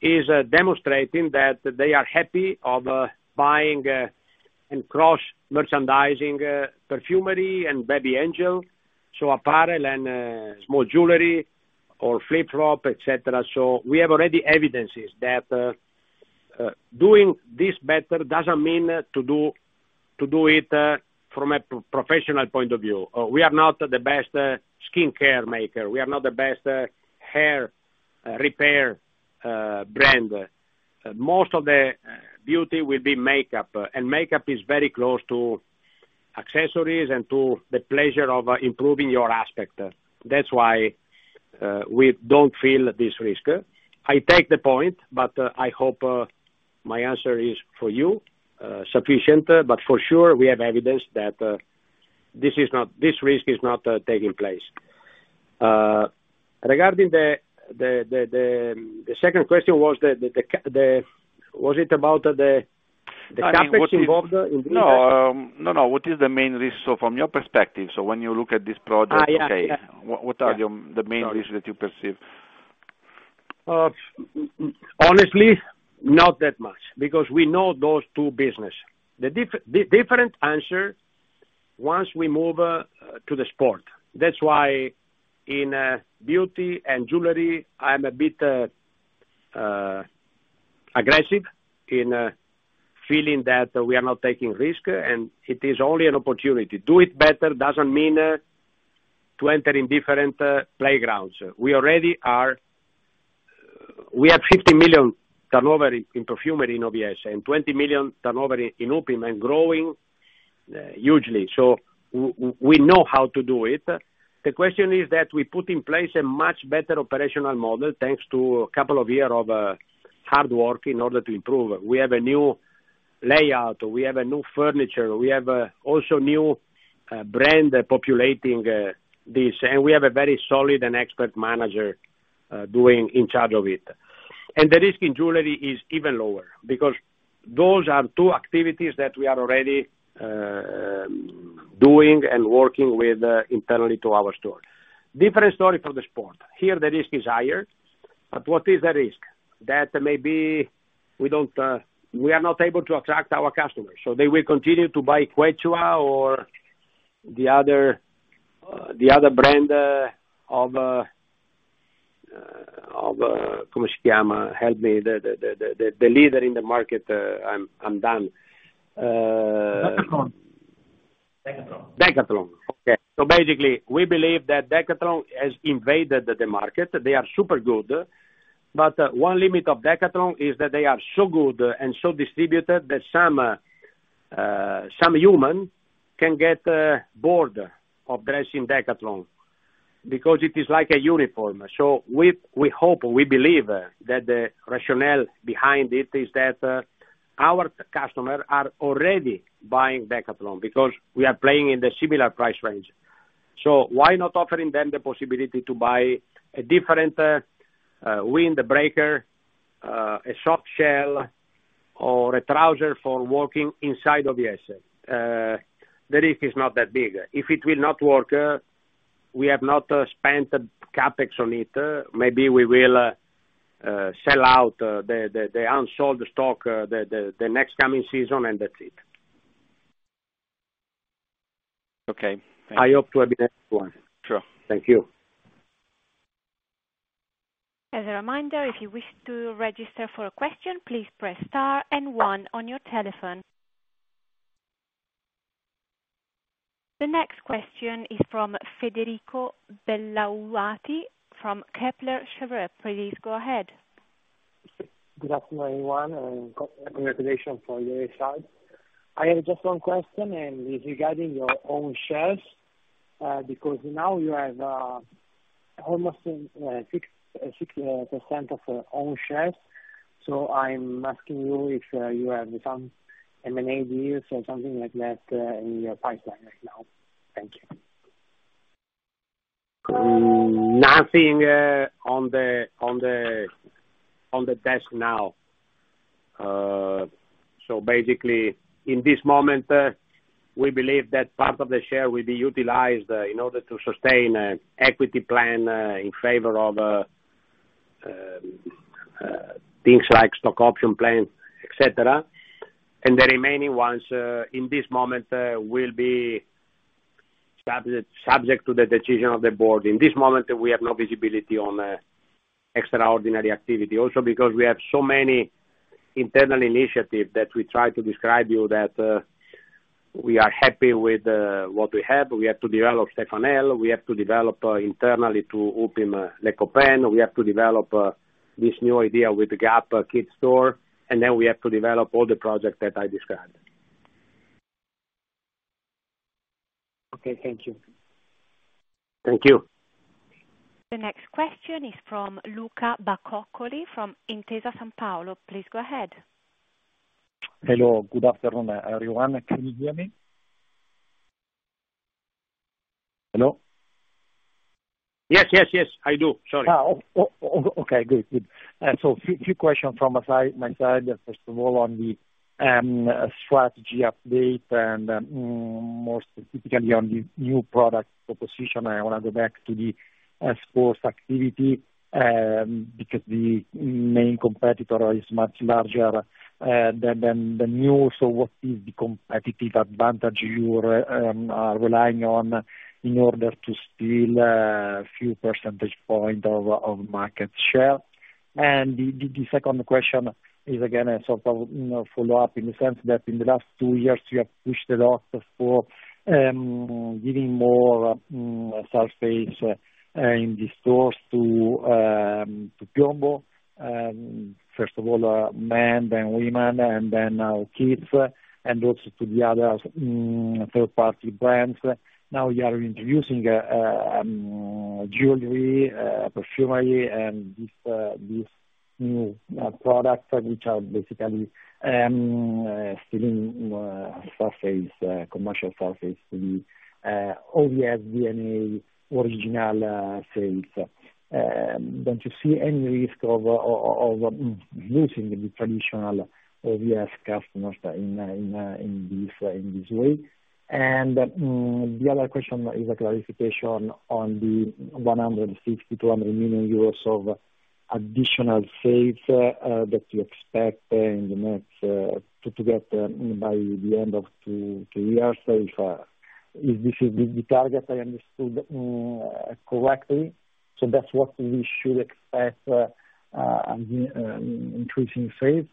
is demonstrating that they are happy of buying and cross merchandising perfumery and Baby Angel, so apparel and small jewelry or flip-flop, et cetera. We have already evidences that doing this better doesn't mean to do it from a professional point of view. We are not the best skincare maker. We are not the best hair repair brand. Most of the beauty will be makeup, and makeup is very close to accessories and to the pleasure of improving your aspect. That's why we don't feel this risk. I take the point, but I hope my answer is for you sufficient. For sure, we have evidence that this risk is not taking place. Regarding the second question, was it about the CapEx involved in this? No. What is the main risk, so from your perspective, so when you look at this project? Yeah, yeah. Okay, what are your, the main risks that you perceive? Honestly, not that much because we know those two business. The different answer once we move to the sport. That's why in beauty and jewelry, I'm a bit aggressive in feeling that we are not taking risk, and it is only an opportunity. Do it better doesn't mean to enter in different playgrounds. We already are. We have 50 million turnover in perfumery in OVS and 20 million turnover in Upim and growing hugely. We know how to do it. The question is that we put in place a much better operational model, thanks to a couple of year of hard work in order to improve. We have a new layout, we have a new furniture, we have also new brand populating this, we have a very solid and expert manager doing in charge of it. The risk in jewelry is even lower because those are two activities that we are already doing and working with internally to our store. Different story for the sport. Here, the risk is higher, what is the risk? That maybe we don't, we are not able to attract our customers, so they will continue to buy Quechua or the other the other brand of of Italia, help me, the leader in the market. I'm done. Decathlon. Decathlon. Basically, we believe that Decathlon has invaded the market. They are super good. One limit of Decathlon is that they are so good and so distributed that some human can get bored of dressing Decathlon because it is like a uniform. We, we hope, we believe that the rationale behind it is that our customer are already buying Decathlon because we are playing in the similar price range. Why not offering them the possibility to buy a different windbreaker, a soft shell or a trouser for working inside OVS? The risk is not that big. If it will not work, we have not spent CapEx on it. Maybe we will sell out the unsold stock, the next coming season, and that's it. Okay. Thank you. I hope to have been helpful. Sure. Thank you. As a reminder, if you wish to register for a question, please press star and 1 on your telephone. The next question is from Federico Belluati from Kepler Cheuvreux. Please go ahead. Good afternoon, everyone, and congratulations for your results. I have just one question, and it's regarding your own shares, because now you have almost 6% of own shares. I'm asking you if you have some M&A deals or something like that in your pipeline right now. Thank you. Nothing on the desk now. Basically, in this moment, we believe that part of the share will be utilized in order to sustain an equity plan in favor of things like stock option plan, et cetera. The remaining ones, in this moment, will be subject to the decision of the board. In this moment, we have no visibility on extraordinary activity. Because we have so many internal initiatives that we try to describe you that we are happy with what we have. We have to develop Stefanel. We have to develop internally to open Les Copains. We have to develop this new idea with the Gap Kids store, we have to develop all the projects that I described. Okay. Thank you. Thank you. The next question is from Luca Bacoccoli from Intesa Sanpaolo. Please go ahead. Hello. Good afternoon, everyone. Can you hear me? Hello? Yes, yes, I do. Sorry. Okay, good. Good. Few questions from my side. First of all, on the strategy update and more specifically on the new product proposition. I wanna go back to the sports activity because the main competitor is much larger than you. What is the competitive advantage you're relying on in order to steal few percentage point of market share? The second question is again, a sort of, you know, follow-up in the sense that in the last two years, you have pushed a lot for giving more surface in the stores to PIOMBO, first of all, men, then women, and then now kids, and also to the other third party brands. Now you are introducing jewelry, perfumery and this new products which are basically stealing surface commercial surface to the OVS DNA original sales. Don't you see any risk of losing the traditional OVS customers in in in this in this way? The other question is a clarification on the 160 million-200 million euros of additional sales that you expect in the next to get by the end of two years. If this is the target I understood correctly, that's what we should expect increasing sales?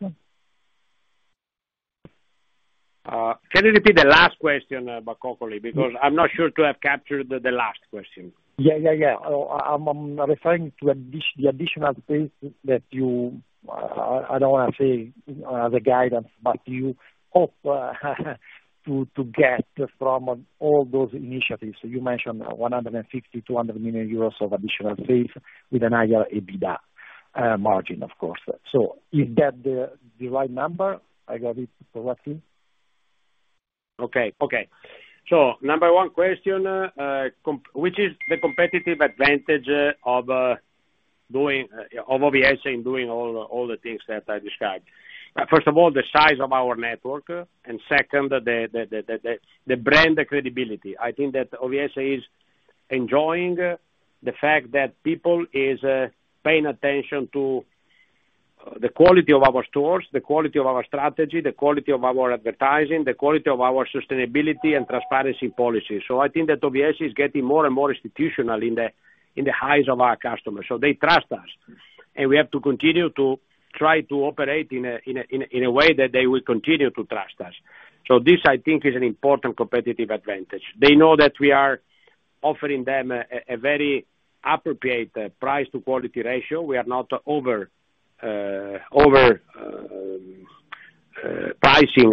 Can you repeat the last question, Bacoccoli? I'm not sure to have captured the last question. Yeah. I'm referring to the additional sales that you, I don't wanna say the guidance, but you hope to get from all those initiatives. You mentioned 160 million-200 million euros of additional sales with a higher EBITDA margin, of course. Is that the right number? I got it correctly? Okay. Number one question, which is the competitive advantage of OVS in doing all the things that I described. First of all, the size of our network, and second, the brand credibility. I think that OVS is enjoying the fact that people is paying attention to the quality of our stores, the quality of our strategy, the quality of our advertising, the quality of our sustainability and transparency policy. I think that OVS is getting more and more institutional in the eyes of our customers, so they trust us. We have to continue to try to operate in a way that they will continue to trust us. This, I think, is an important competitive advantage. They know that we are offering them a very appropriate price to quality ratio. We are not over pricing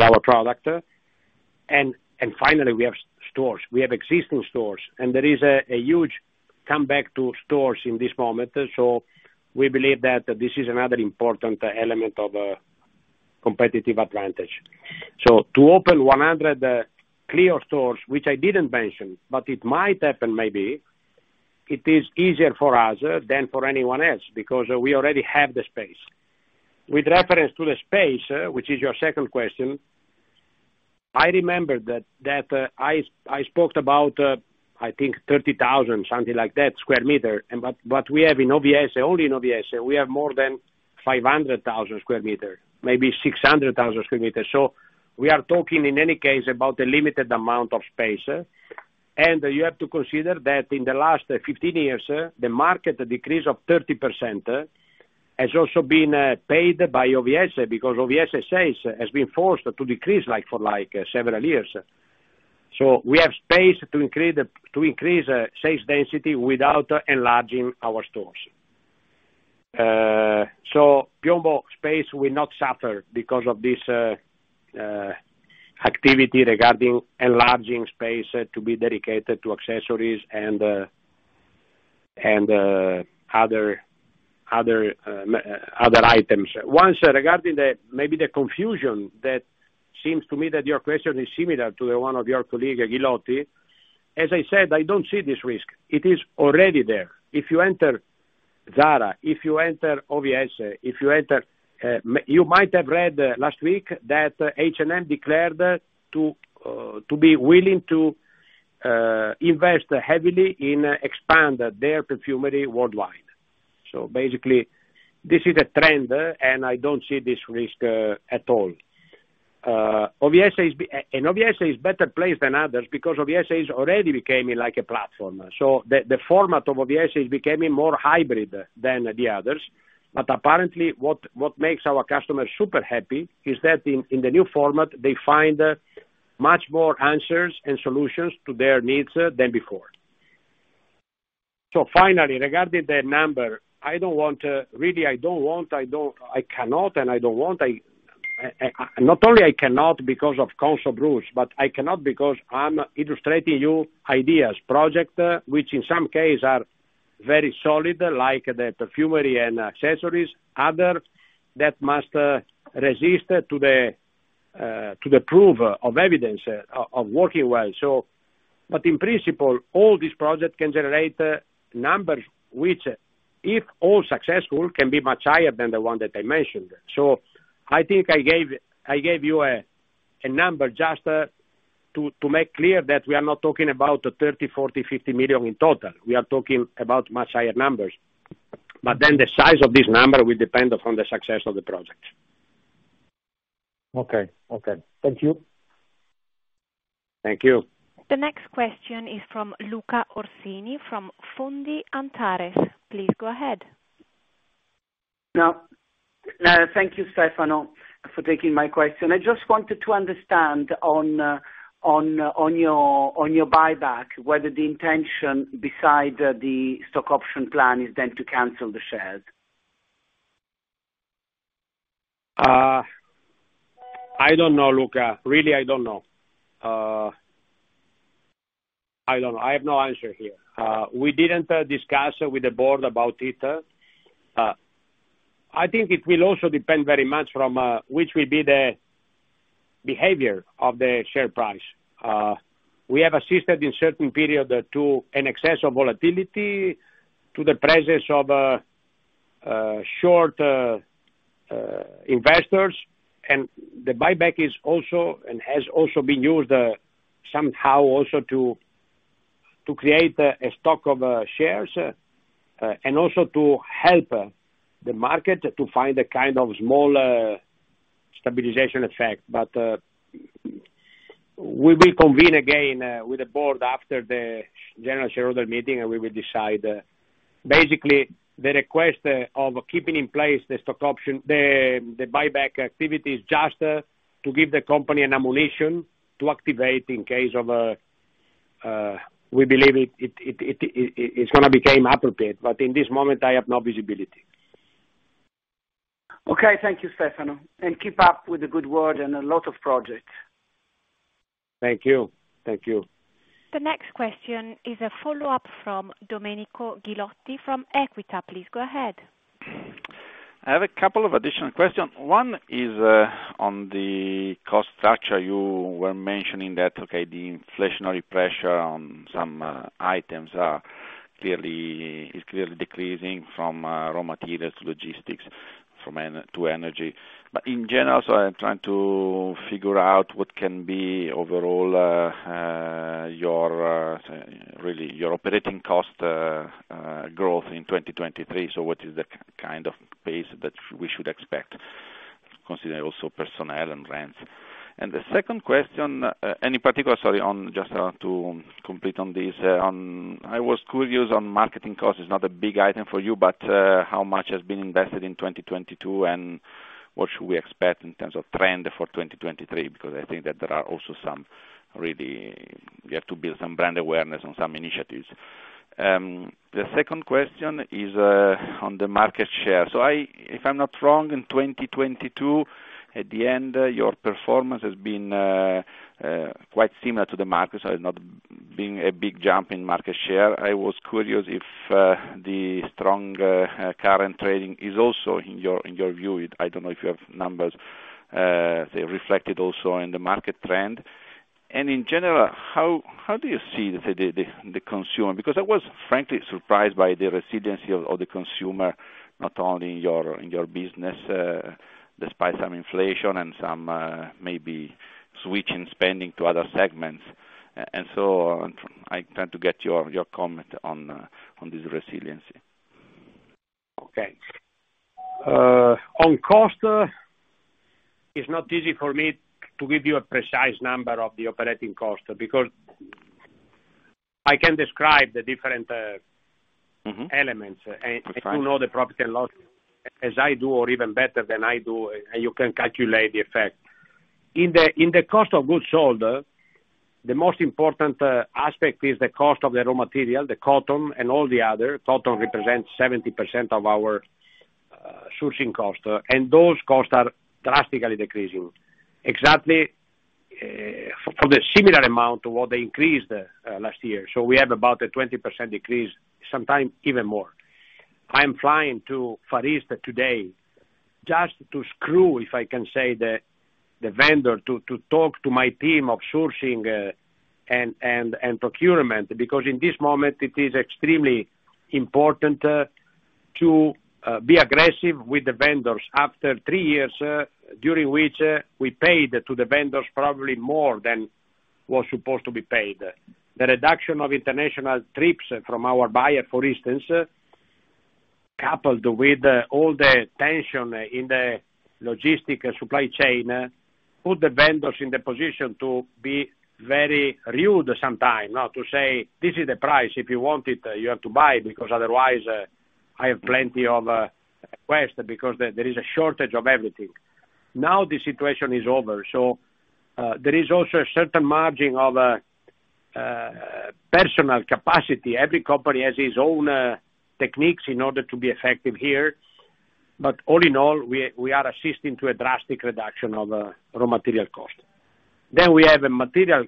our product. Finally we have stores. We have existing stores, and there is a huge comeback to stores in this moment. We believe that this is another important element of a competitive advantage. To open 100 Clio stores, which I didn't mention, but it might happen maybe, it is easier for us than for anyone else because we already have the space. With reference to the space, which is your second question, I remember that I spoke about, I think 30,000, something like that, square meter. We have in OVS, only in OVS, we have more than 500,000 square meter, maybe 600,000 square meters. We are talking in any case about a limited amount of space. You have to consider that in the last 15 years, the market decrease of 30%, has also been paid by OVS, because OVS sales has been forced to decrease like-for-like several years. We have space to increase sales density without enlarging our stores. PIOMBO space will not suffer because of this activity regarding enlarging space to be dedicated to accessories and other items. One, regarding the, maybe the confusion that seems to me that your question is similar to the one of your colleague, Ghilotti, as I said, I don't see this risk. It is already there. If you enter Zara, if you enter OVS, if you enter, you might have read last week that H&M declared to be willing to invest heavily in expand their perfumery worldwide. Basically this is a trend, and I don't see this risk at all. OVS is better placed than others because OVS is already becoming like a platform. The format of OVS is becoming more hybrid than the others. Apparently what makes our customers super happy is that in the new format, they find much more answers and solutions to their needs than before. Finally, regarding the number, I don't want really. I cannot and I don't want. I not only cannot because of Consob rules, but I cannot because I'm illustrating you ideas, project, which in some case are very solid, like the perfumery and accessories, other that must resist to the proof of evidence of working well. In principle, all these projects can generate numbers, which, if all successful, can be much higher than the one that I mentioned. I think I gave you a number just to make clear that we are not talking about 30 million, 40 million, 50 million in total. We are talking about much higher numbers. The size of this number will depend upon the success of the project. Okay. Thank you. Thank you. The next question is from Luca Orsini, from Fondi Antares. Please go ahead. Thank you, Stefano, for taking my question. I just wanted to understand on your buyback, whether the intention beside the stock option plan is then to cancel the shares. I don't know, Luca. Really, I don't know. I don't. I have no answer here. We didn't discuss with the board about it. I think it will also depend very much from which will be the behavior of the share price. We have assisted in certain period to an excess of volatility, to the presence of short investors. The buyback is also and has also been used somehow also to create a stock of shares and also to help the market to find a kind of small stabilization effect. We will convene again with the board after the general shareholder meeting, and we will decide. Basically the request, of keeping in place the stock option, the buyback activity is just to give the company an ammunition to activate. We believe it's gonna become appropriate. In this moment, I have no visibility. Okay. Thank you, Stefano. Keep up with the good work and a lot of projects. Thank you. Thank you. The next question is a follow-up from Domenico Ghilotti from EQUITA. Please go ahead. I have a couple of additional questions. One is on the cost structure. You were mentioning that, okay, the inflationary pressure on some items is clearly decreasing from raw materials, logistics, to energy. In general, I'm trying to figure out what can be overall your really your operating cost growth in 2023. What is the kind of pace that we should expect, considering also personnel and rents? The second question. In particular, sorry. On, just to complete on this, I was curious on marketing costs. It's not a big item for you, but how much has been invested in 2022 and what should we expect in terms of trend for 2023? Because I think that there are also some really We have to build some brand awareness on some initiatives. The second question is on the market share. If I'm not wrong, in 2022, at the end, your performance has been quite similar to the market. So it's not been a big jump in market share. I was curious if the strong current trading is also in your view. I don't know if you have numbers reflected also in the market trend. In general, how do you see the consumer? Because I was frankly surprised by the resiliency of the consumer, not only in your business, despite some inflation and some maybe switching spending to other segments. I tend to get your comment on this resiliency. Okay. on cost, it's not easy for me to give you a precise number of the operating cost because I can describe the different elements. That's right. You know the profit and loss as I do or even better than I do, and you can calculate the effect. In the cost of goods sold, the most important aspect is the cost of the raw material, the cotton and all the other. Cotton represents 70% of our sourcing cost, those costs are drastically decreasing. Exactly, for the similar amount of what they increased last year. We have about a 20% decrease, sometimes even more. I am flying to Forlì today, just to screw, if I can say, the vendor to talk to my team of sourcing and procurement, because in this moment, it is extremely important to be aggressive with the vendors after three years during which we paid to the vendors probably more than was supposed to be paid. The reduction of international trips from our buyer, for instance, coupled with all the tension in the logistic supply chain, put the vendors in the position to be very rude sometime. Now to say, "This is the price. If you want it, you have to buy it, because otherwise I have plenty of requests because there is a shortage of everything." Now the situation is over. There is also a certain margin of personal capacity. Every company has its own techniques in order to be effective here. All in all, we are assisting to a drastic reduction of raw material cost. We have a material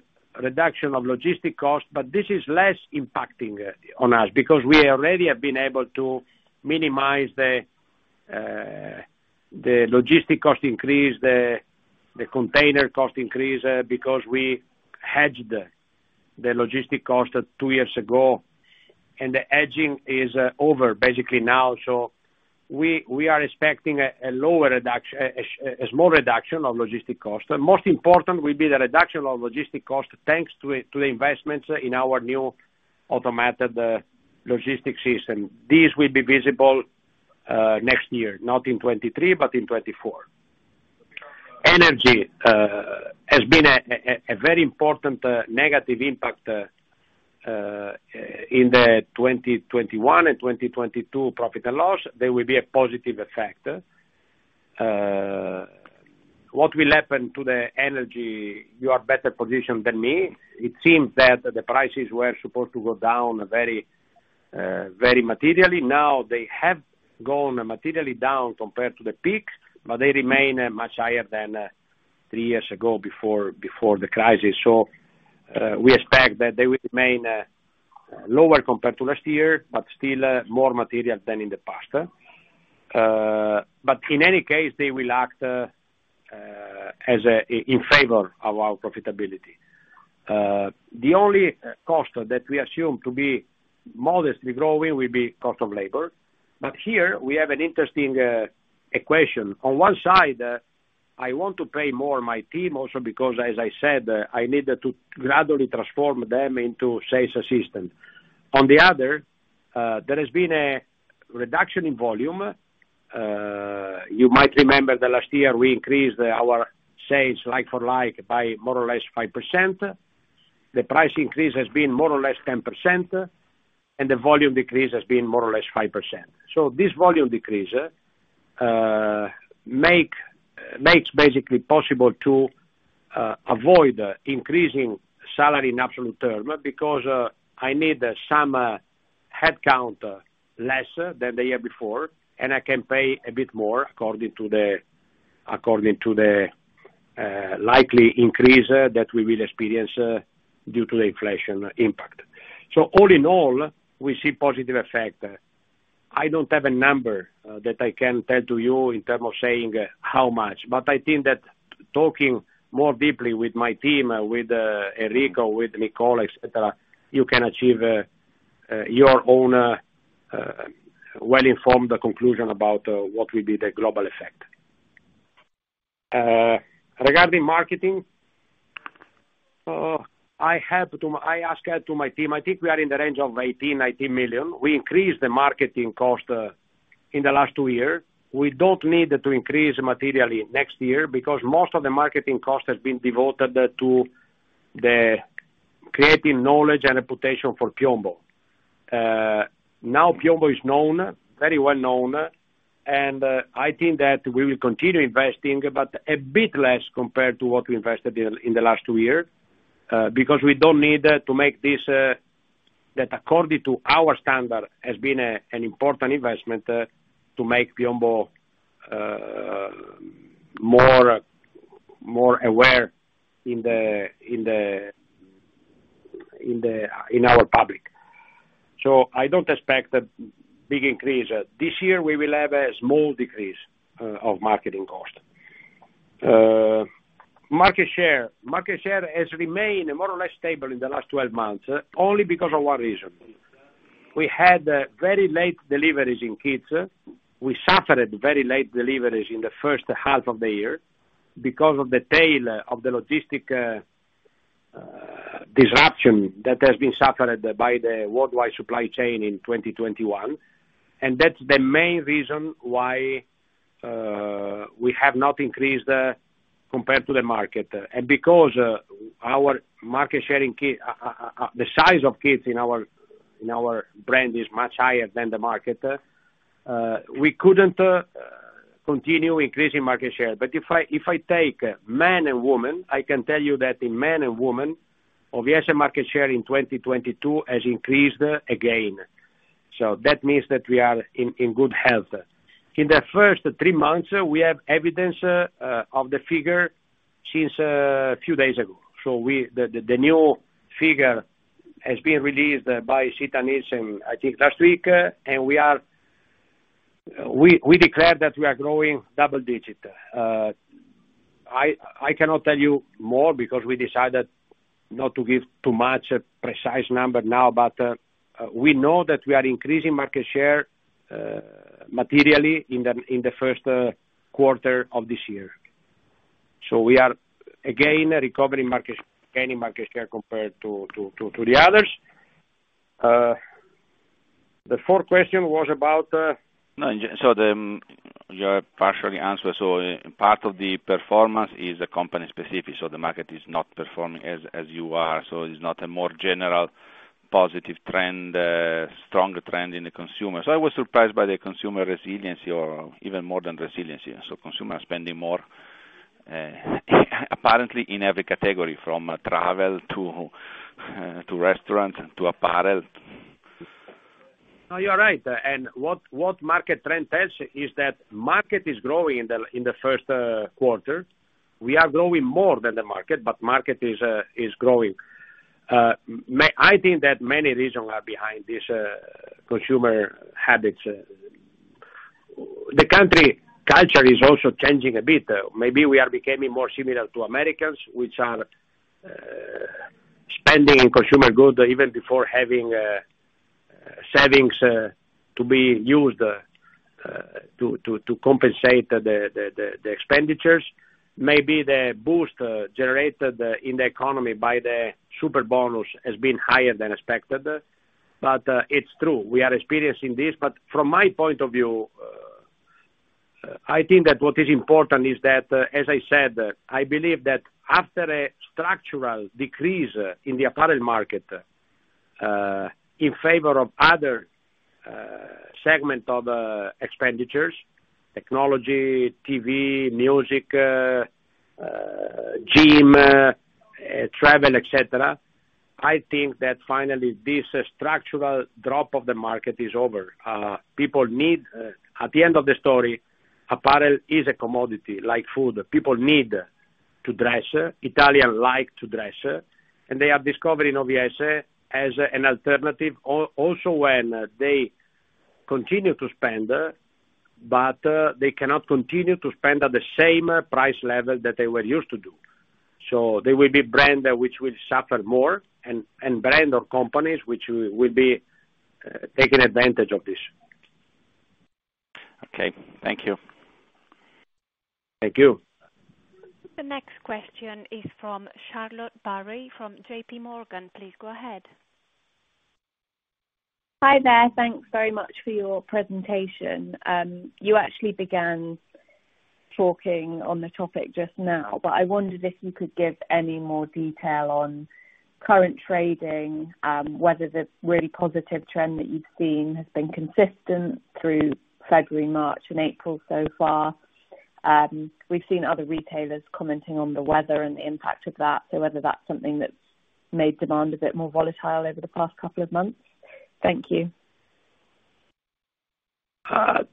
reduction of logistic cost, but this is less impacting on us because we already have been able to minimize the logistic cost increase, the container cost increase, because we hedged the logistic cost years ago, and the hedging is over basically now. We are expecting a small reduction of logistic cost. Most important will be the reduction of logistic cost, thanks to the investments in our new automated logistics system. This will be visible next year, not in 2023, but in 2024. Energy has been a very important negative impact in the 2021 and 2022 P&L. They will be a positive effect. What will happen to the energy, you are better positioned than me. It seems that the prices were supposed to go down very materially. Now, they have gone materially down compared to the peak, but they remain much higher than three years ago before the crisis. We expect that they will remain lower compared to last year, but still more material than in the past. In any case, they will act in favor of our profitability. The only cost that we assume to be modestly growing will be cost of labor. Here we have an interesting equation. One side, I want to pay more my team also because, as I said, I need to gradually transform them into sales assistant. The other, there has been a reduction in volume. You might remember that last year we increased our sales like-for-like by more or less 5%. The price increase has been more or less 10%, and the volume decrease has been more or less 5%. This volume decrease makes basically possible to avoid increasing salary in absolute term because I need some headcount less than the year before, and I can pay a bit more according to the likely increase that we will experience due to the inflation impact. All in all, we see positive effect. I don't have a number that I can tell to you in terms of saying how much, but I think that talking more deeply with my team, with Enrico, with Nicole, et cetera, you can achieve your own well-informed conclusion about what will be the global effect. Regarding marketing, I asked to my team, I think we are in the range of 18 million-19 million. We increased the marketing cost in the last two years. We don't need to increase materially next year because most of the marketing cost has been devoted to the creating knowledge and reputation for PIOMBO. Now PIOMBO is known, very well known, and I think that we will continue investing but a bit less compared to what we invested in the last two years because we don't need to make this that according to our standard, has been an important investment to make PIOMBO more aware in our public. I don't expect a big increase. This year we will have a small decrease of marketing cost. Market share. Market share has remained more or less stable in the last 12 months only because of one reason. We had very late deliveries in kids. We suffered very late deliveries in the first half of the year because of the tail of the logistic disruption that has been suffered by the worldwide supply chain in 2021. That's the main reason why we have not increased compared to the market. Because our market share in the size of kids in our, in our brand is much higher than the market, we couldn't continue increasing market share. If I take man and woman, I can tell you that in man and woman, OVS market share in 2022 has increased again. That means that we are in good health. In the first three months, we have evidence of the figure since a few days ago. The new figure has been released by Sita Nielsen, I think, last week, and we are. We declared that we are growing double digit. I cannot tell you more because we decided not to give too much precise number now, but we know that we are increasing market share materially in the first quarter of this year. We are again recovering market, gaining market share compared to the others. The fourth question was about. No. You partially answered. Part of the performance is a company specific, so the market is not performing as you are. It's not a more general positive trend, stronger trend in the consumer. I was surprised by the consumer resiliency or even more than resiliency. Consumer spending more, apparently in every category from travel to restaurant to apparel. No, you're right. What market trend tells you is that market is growing in the first quarter. We are growing more than the market is growing. I think that many reasons are behind this consumer habits. The country culture is also changing a bit. Maybe we are becoming more similar to Americans, which are spending in consumer goods even before having savings to be used to compensate the expenditures. Maybe the boost generated in the economy by the super bonus has been higher than expected. It's true, we are experiencing this. From my point of view, I think that what is important is that, as I said, I believe that after a structural decrease in the apparel market, in favor of other segment of expenditures, technology, TV, music, gym, travel, etc, I think that finally this structural drop of the market is over. At the end of the story, apparel is a commodity like food. People need to dress. Italian like to dress, and they are discovering OVS as an alternative also when they continue to spend, but they cannot continue to spend at the same price level that they were used to do. There will be brand which will suffer more and brand or companies which will be taking advantage of this. Okay. Thank you. Thank you. The next question is from Charlotte Barry from JPMorgan. Please go ahead. Hi there. Thanks very much for your presentation. You actually began talking on the topic just now, but I wondered if you could give any more detail on current trading, whether the really positive trend that you've seen has been consistent through February, March and April so far? We've seen other retailers commenting on the weather and the impact of that. Whether that's something that's made demand a bit more volatile over the past couple of months? Thank you.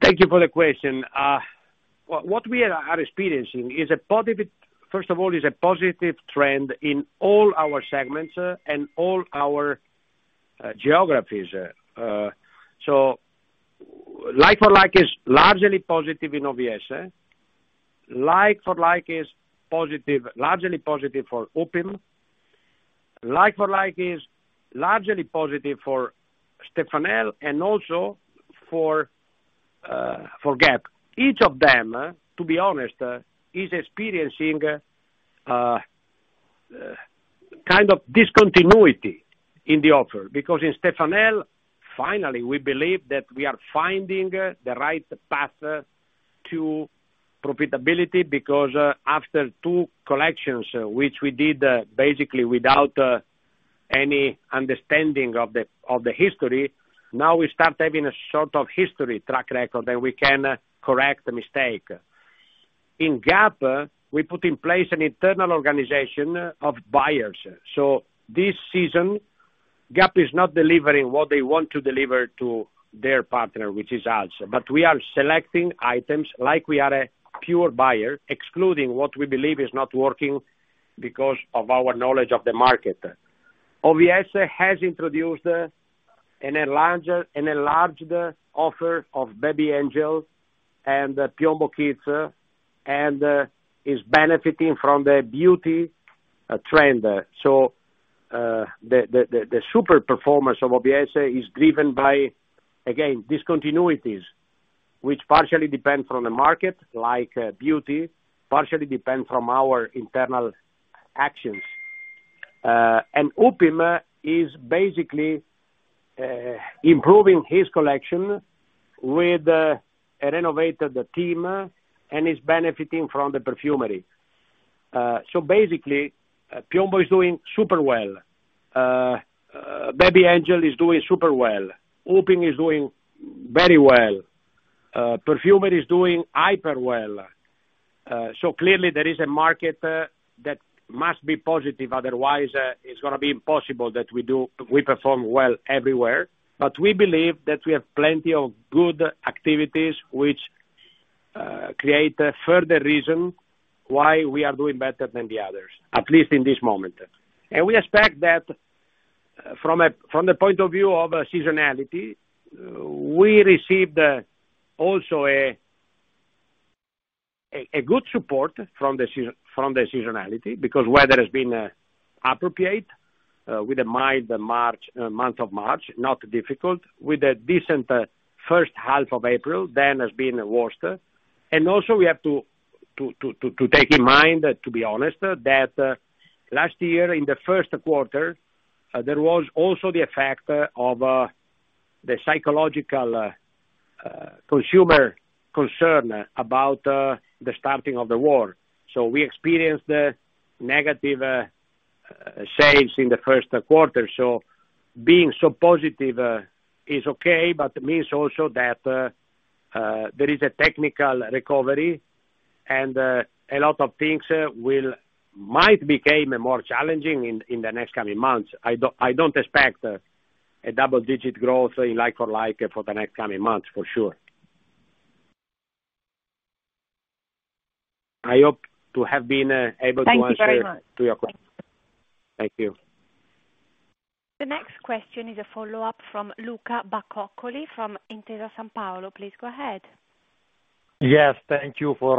Thank you for the question. What we are experiencing is a positive trend in all our segments and all our geographies. Like-for-like is largely positive in OVS. Like-for-like is positive, largely positive for Upim. Like-for-like is largely positive for Stefanel and also for Gap. Each of them, to be honest, is experiencing kind of discontinuity in the offer because in Stefanel, finally, we believe that we are finding the right path to profitability because after two collections, which we did basically without any understanding of the history, now we start having a sort of history track record, and we can correct the mistake. In Gap, we put in place an internal organization of buyers. This season, Gap is not delivering what they want to deliver to their partner, which is us. We are selecting items like we are a pure buyer, excluding what we believe is not working because of our knowledge of the market. OVS has introduced an enlarged offer of Baby Angel and PIOMBO Kids, and is benefiting from the beauty trend. The super performance of OVS is driven by, again, discontinuities, which partially depend from the market, like beauty, partially depend from our internal actions. Upim is basically improving his collection with a renovated team, and is benefiting from the perfumery. Basically, PIOMBO is doing super well. Baby Angel is doing super well. Upim is doing very well. Perfumery is doing hyper well. Clearly there is a market that must be positive, otherwise, it's gonna be impossible that we perform well everywhere. We believe that we have plenty of good activities which create a further reason why we are doing better than the others, at least in this moment. We expect that from the point of view of seasonality, we received also a good support from the seasonality because weather has been appropriate with a mild March month of March, not difficult, with a decent first half of April, then has been worse. Also we have to take in mind, to be honest, that last year in the first quarter, there was also the effect of the psychological consumer concern about the starting of the war. We experienced negative sales in the first quarter. Being so positive is okay, but means also that there is a technical recovery and a lot of things might become more challenging in the next coming months. I don't, I don't expect a double-digit growth in like-for-like for the next coming months, for sure. I hope to have been able to answer. Thank you very much. to your question. Thank you. The next question is a follow-up from Luca Bacoccoli from Intesa Sanpaolo. Please go ahead. Yes, thank you for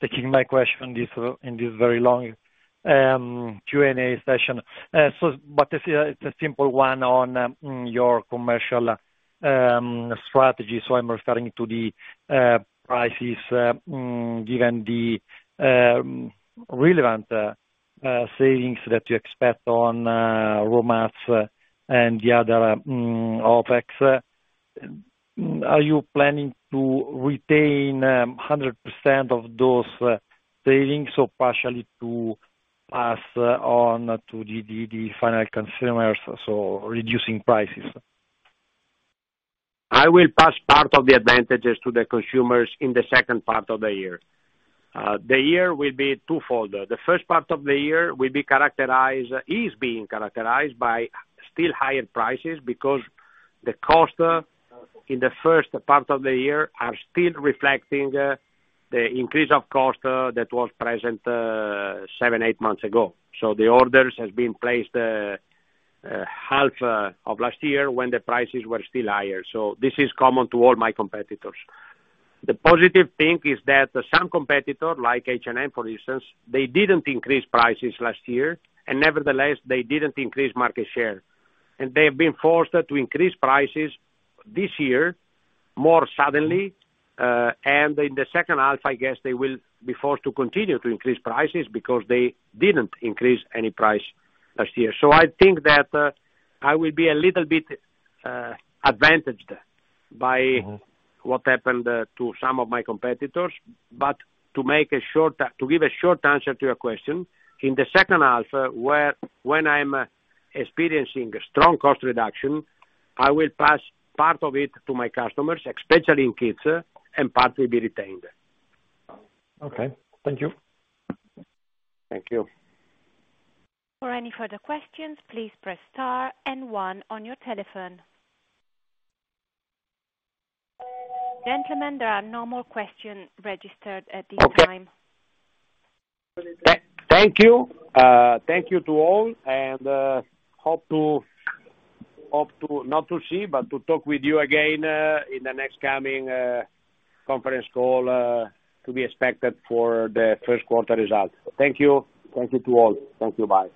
taking my question this in this very long Q&A session. But it's a simple one on your commercial strategy. I'm referring to the prices given the relevant savings that you expect on raw mats and the other OpEx. Are you planning to retain 100% of those savings or partially to pass on to the final consumers, reducing prices? I will pass part of the advantages to the consumers in the second part of the year. The year will be twofold. The first part of the year is being characterized by still higher prices because the cost in the first part of the year are still reflecting the increase of cost that was present seven, eight months ago. The orders has been placed half of last year when the prices were still higher. This is common to all my competitors. The positive thing is that some competitor, like H&M, for instance, they didn't increase prices last year, nevertheless, they didn't increase market share. They have been forced to increase prices this year more suddenly, and in the second half, I guess they will be forced to continue to increase prices because they didn't increase any price last year. I think that, I will be a little bit advantaged. What happened to some of my competitors. To give a short answer to your question, in the second half, when I'm experiencing a strong cost reduction, I will pass part of it to my customers, especially in kids, and part will be retained. Okay. Thank you. Thank you. For any further questions, please press star and one on your telephone. Gentlemen, there are no more questions registered at this time. Okay. Thank you. Thank you to all. Hope to, not to see, but to talk with you again in the next coming conference call to be expected for the first quarter results. Thank you. Thank you to all. Thank you. Bye.